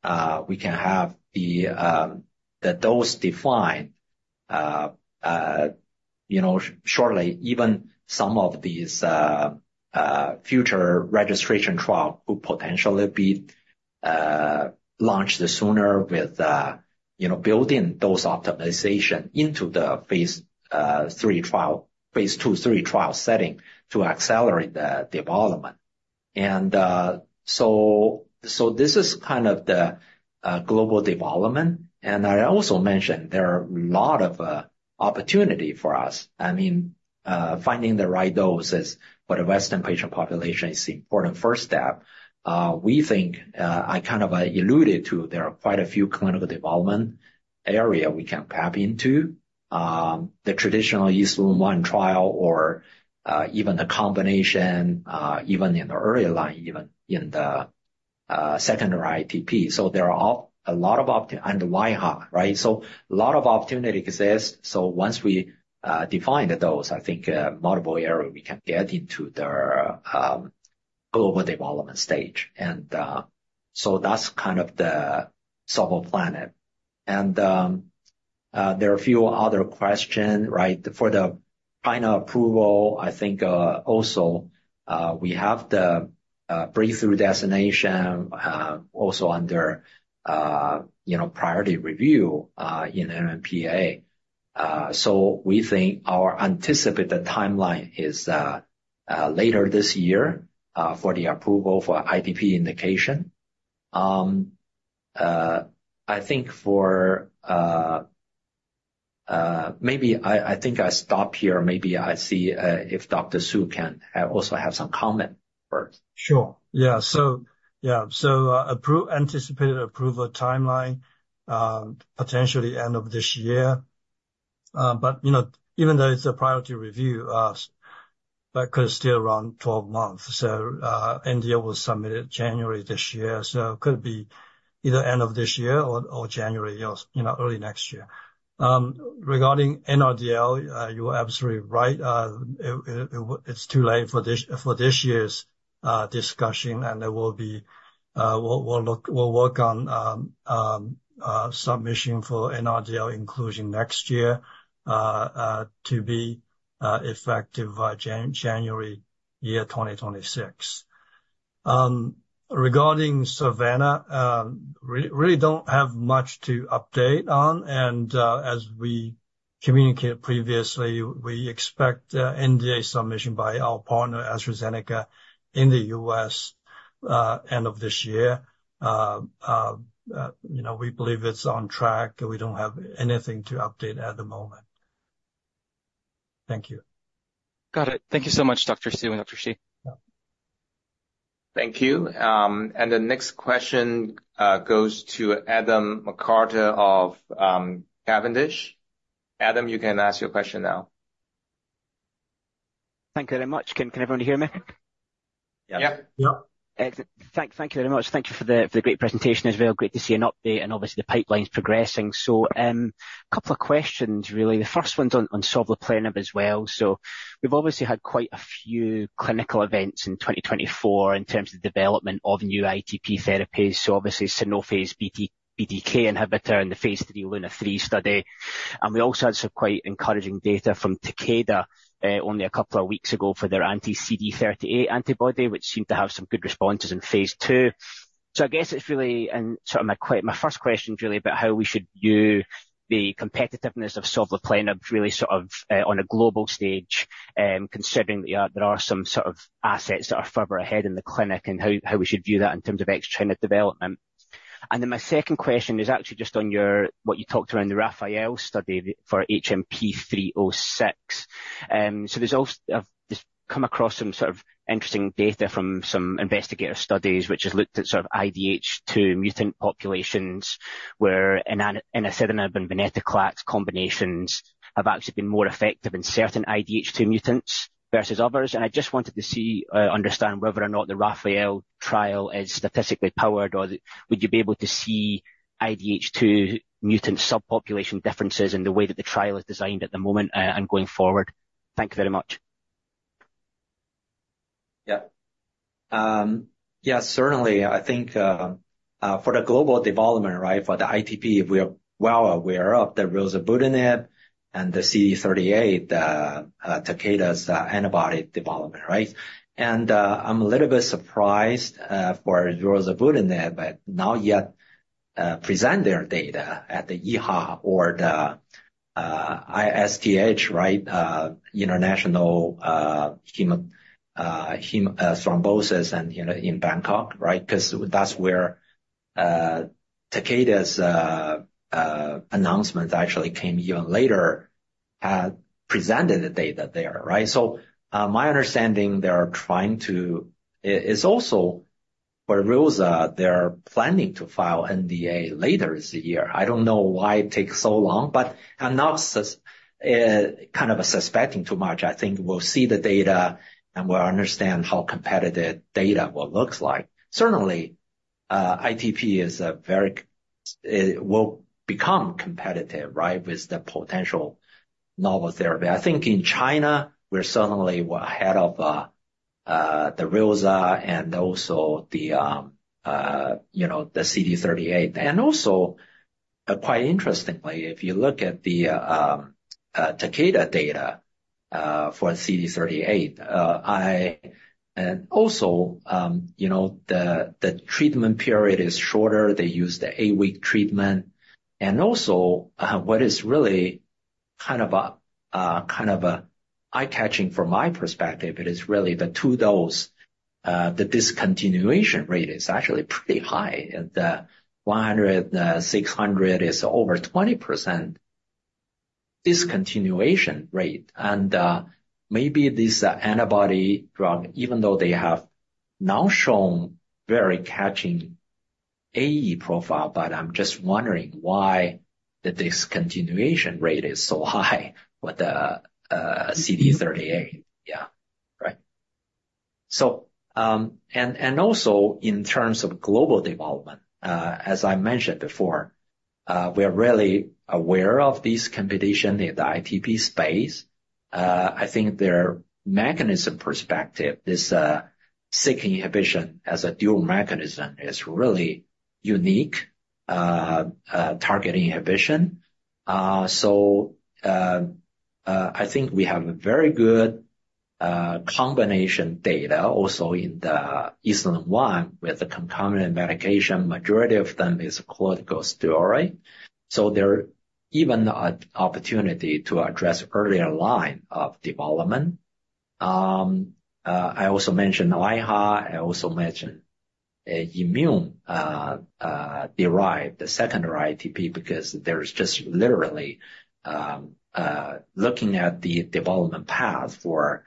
we can have the dose defined, you know, shortly, even some of these future registration trials could potentially be launched sooner with, you know, building those optimizations into the phase III trial, phase II/III trial setting to accelerate the development. So this is kind of the global development. And I also mentioned there are a lot of opportunities for us. I mean, finding the right dose for the Western patient population is the important first step. We think, I kind of alluded to, there are quite a few clinical development areas we can tap into, the traditional phase I trial or even the combination, even in the early line, even in the secondary ITP. So there are a lot of options in wAIHA, right? So a lot of opportunity exists. So once we defined those, I think multiple areas we can get into the global development stage. And so that's kind of the savolitinib. And there are a few other questions, right? For the China approval, I think also we have the breakthrough designation, also under, you know, priority review in NMPA. So we think our anticipated timeline is later this year for the approval for ITP indication. I think I stop here. Maybe I'll see if Dr. Su can also have some comment first. Sure. Yeah. So, anticipated approval timeline, potentially end of this year. But you know, even though it's a priority review, that could still run 12 months. So, NDA was submitted January this year. So it could be either end of this year or January, or you know, early next year. Regarding NRDL, you were absolutely right. It's too late for this year's discussion and we'll work on submission for NRDL inclusion next year, to be effective by January 2026. Regarding SAVANNAH, really don't have much to update on. And as we communicated previously, we expect NDA submission by our partner AstraZeneca in the U.S., end of this year. You know, we believe it's on track. We don't have anything to update at the moment. Thank you. Got it. Thank you so much, Dr. Su and Dr. Shi. Thank you. The next question goes to Adam McCarter of Cavendish. Adam, you can ask your question now. Thank you very much. Can everyone hear me? Yeah. Yep. Yep. Excellent. Thank you very much. Thank you for the great presentation as well. Great to see an update and obviously the pipeline's progressing. So, a couple of questions really. The first one's on savolitinib as well. So we've obviously had quite a few clinical events in 2024 in terms of the development of new ITP therapies. So obviously Sanofi's, BTK inhibitor in the phase III LUNA-3 study. And we also had some quite encouraging data from Takeda, only a couple of weeks ago for their anti-CD38 antibody, which seemed to have some good responses in phase II. So I guess it's really, and sort of my, my first question's really about how we should view the competitiveness of savolitinib really sort of, on a global stage, considering that there are some sort of assets that are further ahead in the clinic and how we should view that in terms of ex-China development. And then my second question is actually just on your, what you talked around the RAPHAEL study for HMPL-306. So there's also, I've just come across some sort of interesting data from some investigator studies, which has looked at sort of IDH2 mutant populations where enasidenib and venetoclax combinations have actually been more effective in certain IDH2 mutants versus others. And I just wanted to see, understand whether or not the RAPHAEL trial is statistically powered or would you be able to see IDH2 mutant subpopulation differences in the way that the trial is designed at the moment, and going forward? Thank you very much. Yeah. Yeah, certainly I think, for the global development, right, for the ITP, we are well aware of the rozanolixizumab and the CD38, Takeda's antibody development, right? And, I'm a little bit surprised, for rozanolixizumab, but not yet present their data at the EHA or the ISTH, right? International Society on Thrombosis and Haemostasis, you know, in Bangkok, right? 'Cause that's where Takeda's announcement actually came even later, presented the data there, right? So, my understanding they're trying to, it is also for Rosa, they're planning to file NDA later this year. I don't know why it takes so long, but I'm not kind of a suspecting too much. I think we'll see the data and we'll understand how competitive data will look like. Certainly, ITP is a very, it will become competitive, right, with the potential novel therapy. I think in China, we're certainly ahead of the Rosa and also the, you know, the CD38. And also, quite interestingly, if you look at the Takeda data for CD38, and also, you know, the treatment period is shorter. They use the 8-week treatment. And also, what is really kind of an eye-catching from my perspective, it is really the two dose, the discontinuation rate is actually pretty high. And the 100, 600 is over 20% discontinuation rate. And, maybe this antibody drug, even though they have now shown very attractive AE profile, but I'm just wondering why the discontinuation rate is so high with the CD38. Yeah. Right. So, and, and also in terms of global development, as I mentioned before, we are really aware of this competition in the ITP space. I think from a mechanism perspective, this SYK inhibition as a dual mechanism is really unique, targeted inhibition. So, I think we have a very good combination data also in the Asian one with the concomitant medication. Majority of them is corticosteroid. So there even an opportunity to address earlier line of development. I also mentioned wAIHA. I also mentioned immune-derived secondary ITP because there's just literally, looking at the development path for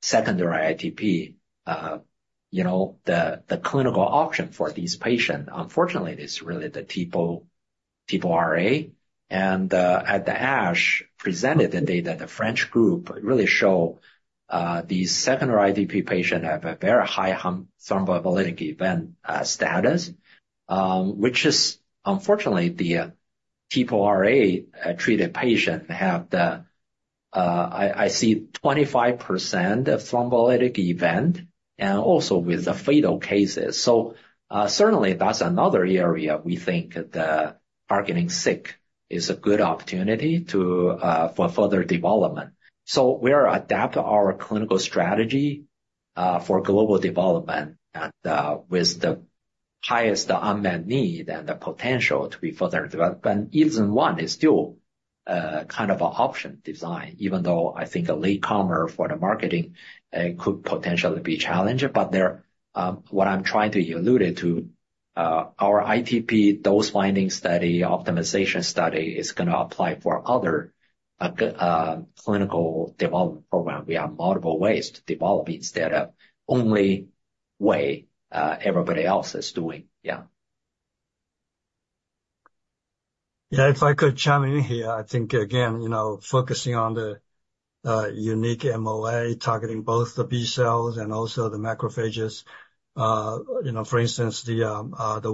secondary ITP, you know, the clinical option for these patients, unfortunately, it is really the TPO RA. And at the ASH presented the data, the French group really show these secondary ITP patients have a very high thromboembolic event status, which is unfortunately the TPO RA treated patient have the, I see 25% of thromboembolic event and also with the fatal cases. So certainly that's another area we think the targeting SYK is a good opportunity to for further development. So we are adapting our clinical strategy for global development and with the highest unmet need and the potential to be further developed. But either one is still kind of an option design, even though I think a late comer for the marketing could potentially be challenged. But there, what I'm trying to allude to, our ITP dose finding study, optimization study is gonna apply for other clinical development program. We have multiple ways to develop instead of only way everybody else is doing. Yeah. Yeah. If I could chime in here, I think again, you know, focusing on the unique MOA targeting both the B cells and also the macrophages, you know, for instance, the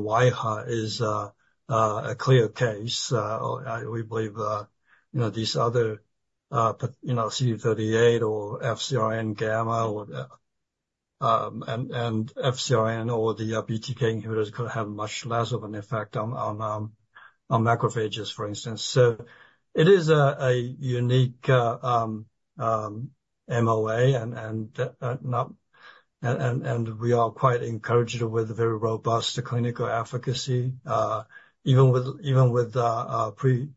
wAIHA is a clear case. We believe, you know, these other, you know, CD38 or FcRn or Fcγ or FcRn or the BTK inhibitors could have much less of an effect on macrophages, for instance. So it is a unique MOA and we are quite encouraged with very robust clinical efficacy, even with previously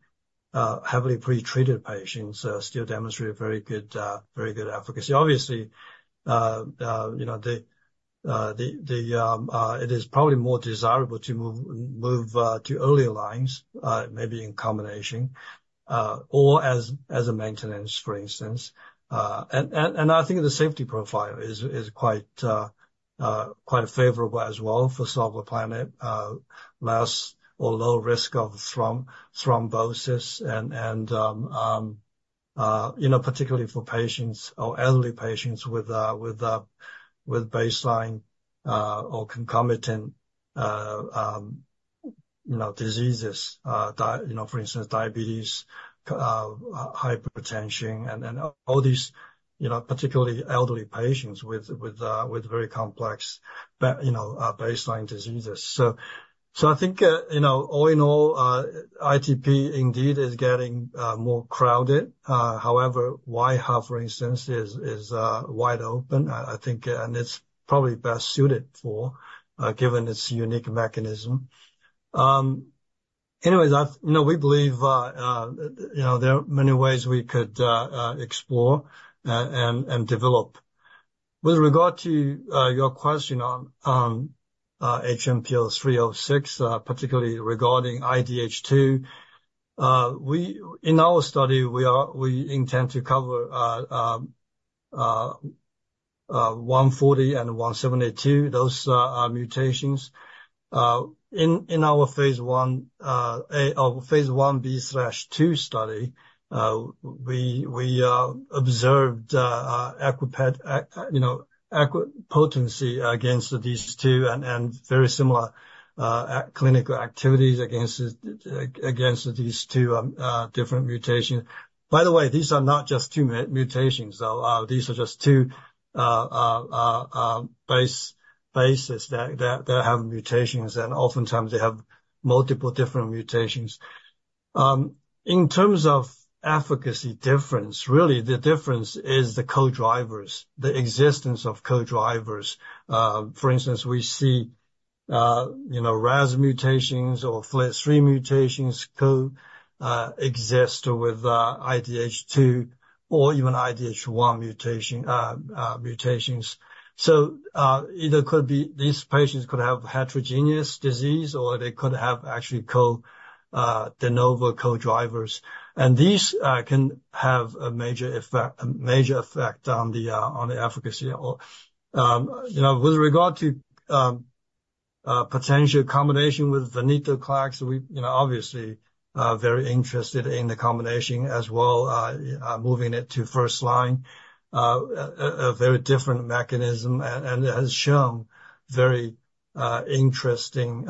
heavily pretreated patients still demonstrate very good efficacy. Obviously, you know, it is probably more desirable to move to earlier lines, maybe in combination, or as a maintenance, for instance. And I think the safety profile is quite favorable as well for savolitinib, low risk of thrombosis and, you know, particularly for patients or elderly patients with baseline or concomitant, you know, diseases, you know, for instance, diabetes, hypertension and all these, you know, particularly elderly patients with very complex, you know, baseline diseases. So I think, you know, all in all, ITP indeed is getting more crowded. However, wAIHA, for instance, is wide open. I think, and it's probably best suited for, given its unique mechanism. Anyways, I, you know, we believe, you know, there are many ways we could explore and develop with regard to your question on HMPL-306, particularly regarding IDH2. In our study, we intend to cover 140 and 172, those mutations. In our phase Ia, phase Ib/II study, we observed equipotent, you know, equal potency against these two and very similar clinical activities against these two different mutations. By the way, these are not just two mutations. So, these are just two bases that have mutations and oftentimes they have multiple different mutations. In terms of efficacy difference, really the difference is the co-drivers, the existence of co-drivers. For instance, we see, you know, RAS mutations or FLT3 mutations coexist with IDH2 or even IDH1 mutations. So, either could be these patients could have heterogeneous disease or they could have actually de novo co-drivers. And these can have a major effect, a major effect on the efficacy or, you know, with regard to potential combination with venetoclax. We, you know, obviously very interested in the combination as well, moving it to first line, a very different mechanism and it has shown very interesting,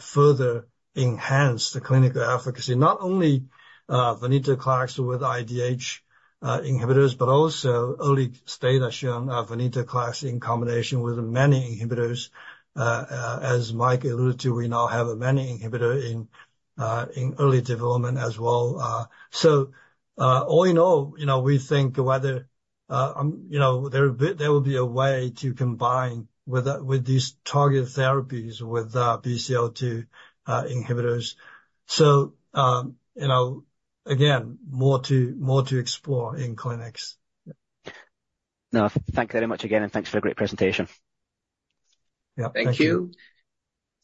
further enhanced the clinical efficacy, not only venetoclax with IDH inhibitors, but also early data shown venetoclax in combination with menin inhibitors. As Mike alluded to, we now have menin inhibitor in early development as well. So, all in all, you know, we think whether, I'm, you know, there'll be, there will be a way to combine with these target therapies with BCL-2 inhibitors. So, you know, again, more to, more to explore in clinics. No, thank you very much again and thanks for the great presentation. Yeah. Thank you.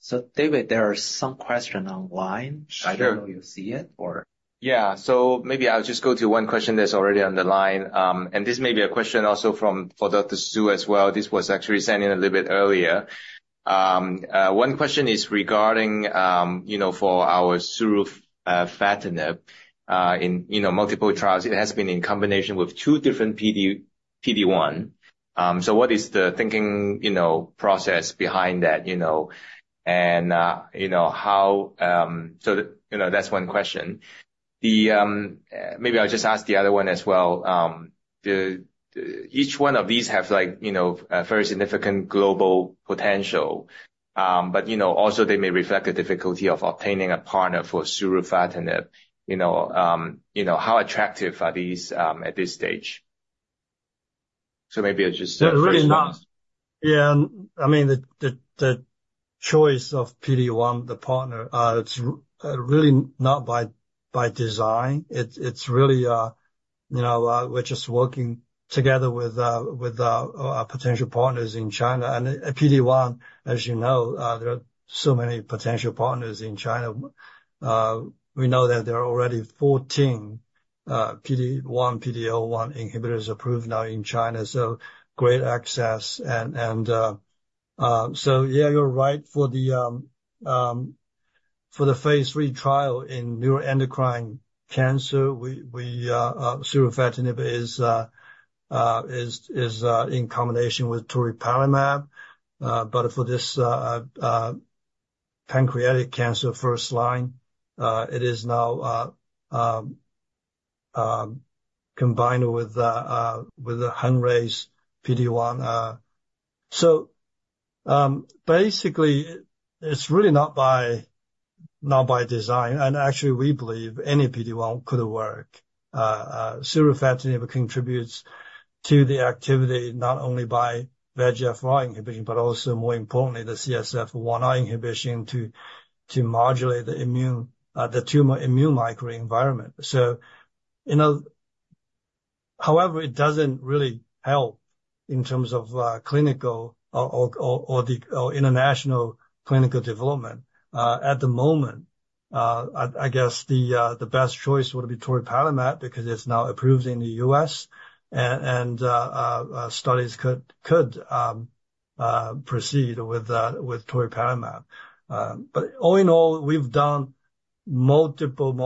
So, David, there are some questions online. I don't know if you see it or. Yeah. So maybe I'll just go to one question that's already on the line. And this may be a question also from for Dr. Su as well. This was actually sent in a little bit earlier. One question is regarding, you know, for our surufatinib, in, you know, multiple trials, it has been in combination with two different PD-1. So what is the thinking, you know, process behind that, you know, and, you know, how, so, you know, that's one question. The, maybe I'll just ask the other one as well. The, the each one of these have like, you know, very significant global potential. But, you know, also they may reflect the difficulty of obtaining a partner for surufatinib, you know, how attractive are these at this stage? So maybe I'll just. Well, really not. Yeah. I mean, the choice of PD-1 partner, it's really not by design. It's really, you know, we're just working together with our potential partners in China and PD-1, as you know, there are so many potential partners in China. We know that there are already 14 PD-1 inhibitors approved now in China. So great access, and so yeah, you're right for the phase III trial in neuroendocrine cancer, surufatinib is in combination with toripalimab. But for this pancreatic cancer first-line, it is now combined with the Hengrui PD-1. So, basically it's really not by design. And actually we believe any PD1 could work. Surufatinib contributes to the activity not only by VEGFR inhibition, but also more importantly, the CSF1R inhibition to modulate the immune, the tumor immune microenvironment. So, you know, however, it doesn't really help in terms of clinical or international clinical development, at the moment. I guess the best choice would be toripalimab because it's now approved in the US and studies could proceed with toripalimab. But all in all, we've done multiple,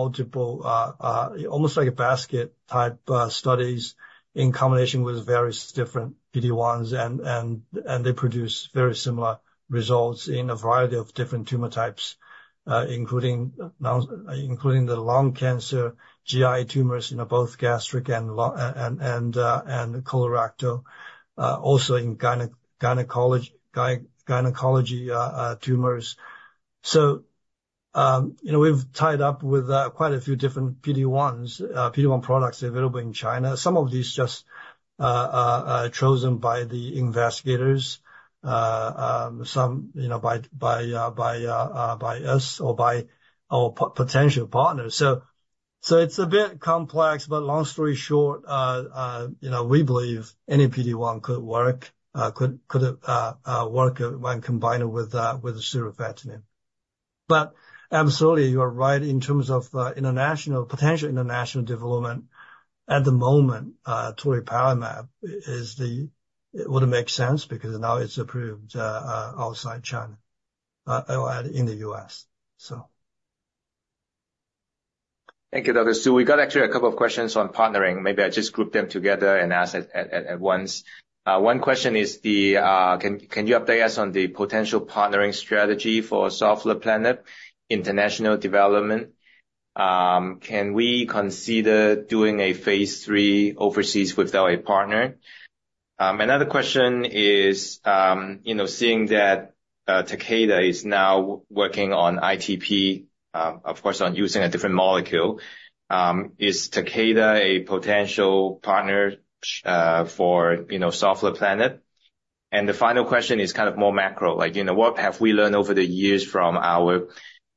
almost like a basket type, studies in combination with various different PD1s, and they produce very similar results in a variety of different tumor types, including now the lung cancer, GI tumors, you know, both gastric and lung, and colorectal, also in gynecology tumors. So, you know, we've tied up with quite a few different PD1s, PD1 products available in China. Some of these just chosen by the investigators, some, you know, by us or by our potential partners. So it's a bit complex, but long story short, you know, we believe any PD1 could work when combined with the surufatinib. But absolutely you are right in terms of international potential international development. At the moment, toripalimab is the—it wouldn't make sense because now it's approved outside China, or in the US. So. Thank you, Dr. Su. We got actually a couple of questions on partnering. Maybe I just group them together and ask at once. One question is, can you update us on the potential partnering strategy for savolitinib international development? Can we consider doing a phase III overseas without a partner? Another question is, you know, seeing that Takeda is now working on ITP, of course on using a different molecule, is Takeda a potential partner for, you know, savolitinib? The final question is kind of more macro, like, you know, what have we learned over the years from our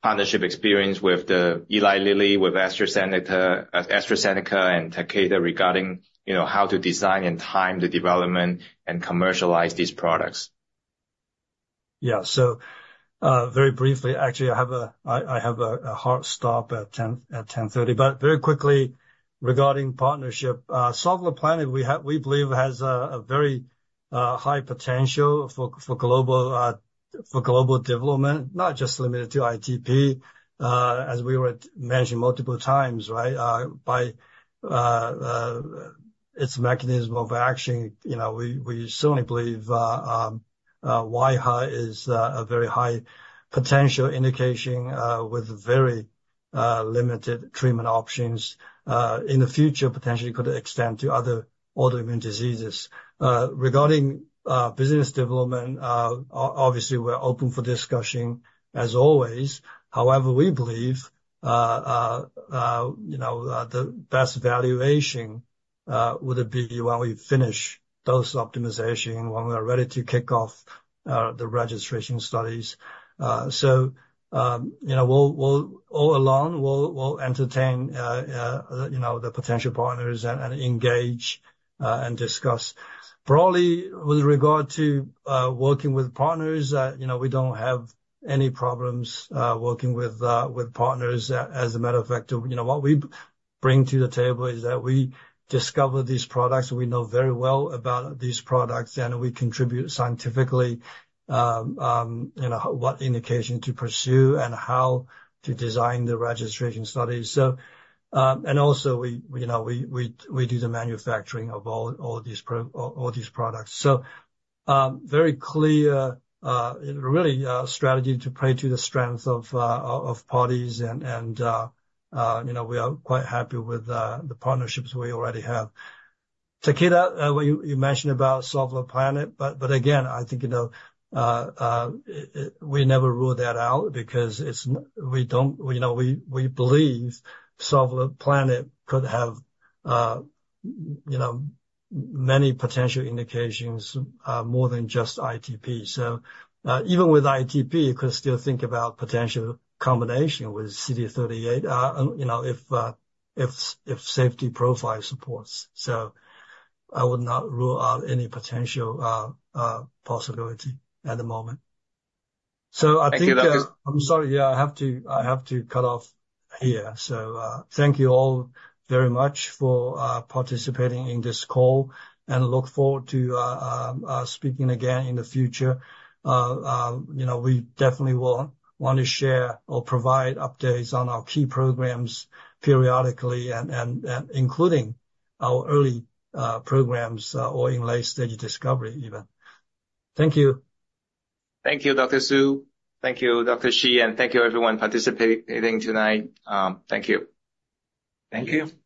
partnership experience with Eli Lilly, with AstraZeneca, AstraZeneca and Takeda regarding, you know, how to design and time the development and commercialize these products? Yeah. So, very briefly, actually I have a hard stop at 10:30, but very quickly regarding partnership, savolitinib we have, we believe has a very high potential for global development, not just limited to ITP, as we were mentioned multiple times, right? By its mechanism of action, you know, we certainly believe wAIHA is a very high potential indication, with very limited treatment options, in the future potentially could extend to other autoimmune diseases. Regarding business development, obviously we're open for discussion as always. However, we believe, you know, the best valuation would be when we finish those optimizations, when we are ready to kick off the registration studies. So, you know, we'll all along entertain, you know, the potential partners and engage and discuss broadly with regard to working with partners. You know, we don't have any problems working with partners. As a matter of fact, you know, what we bring to the table is that we discover these products. We know very well about these products and we contribute scientifically, you know, what indication to pursue and how to design the registration studies. So, and also we, you know, we do the manufacturing of all these products. So, very clear, really, strategy to play to the strength of parties and, you know, we are quite happy with the partnerships we already have. Takeda, what you mentioned about savolitinib, but again, I think, you know, we never rule that out because it's, we don't, you know, we believe savolitinib could have, you know, many potential indications, more than just ITP. So, even with ITP, you could still think about potential combination with CD38, you know, if safety profile supports. So I would not rule out any potential possibility at the moment. So I think that, I'm sorry, yeah, I have to cut off here. So, thank you all very much for participating in this call and look forward to speaking again in the future. You know, we definitely will want to share or provide updates on our key programs periodically and including our early programs or in late-stage discovery even. Thank you. Thank you, Dr. Su. Thank you, Dr. Shi, and thank you everyone participating tonight. Thank you. Thank you.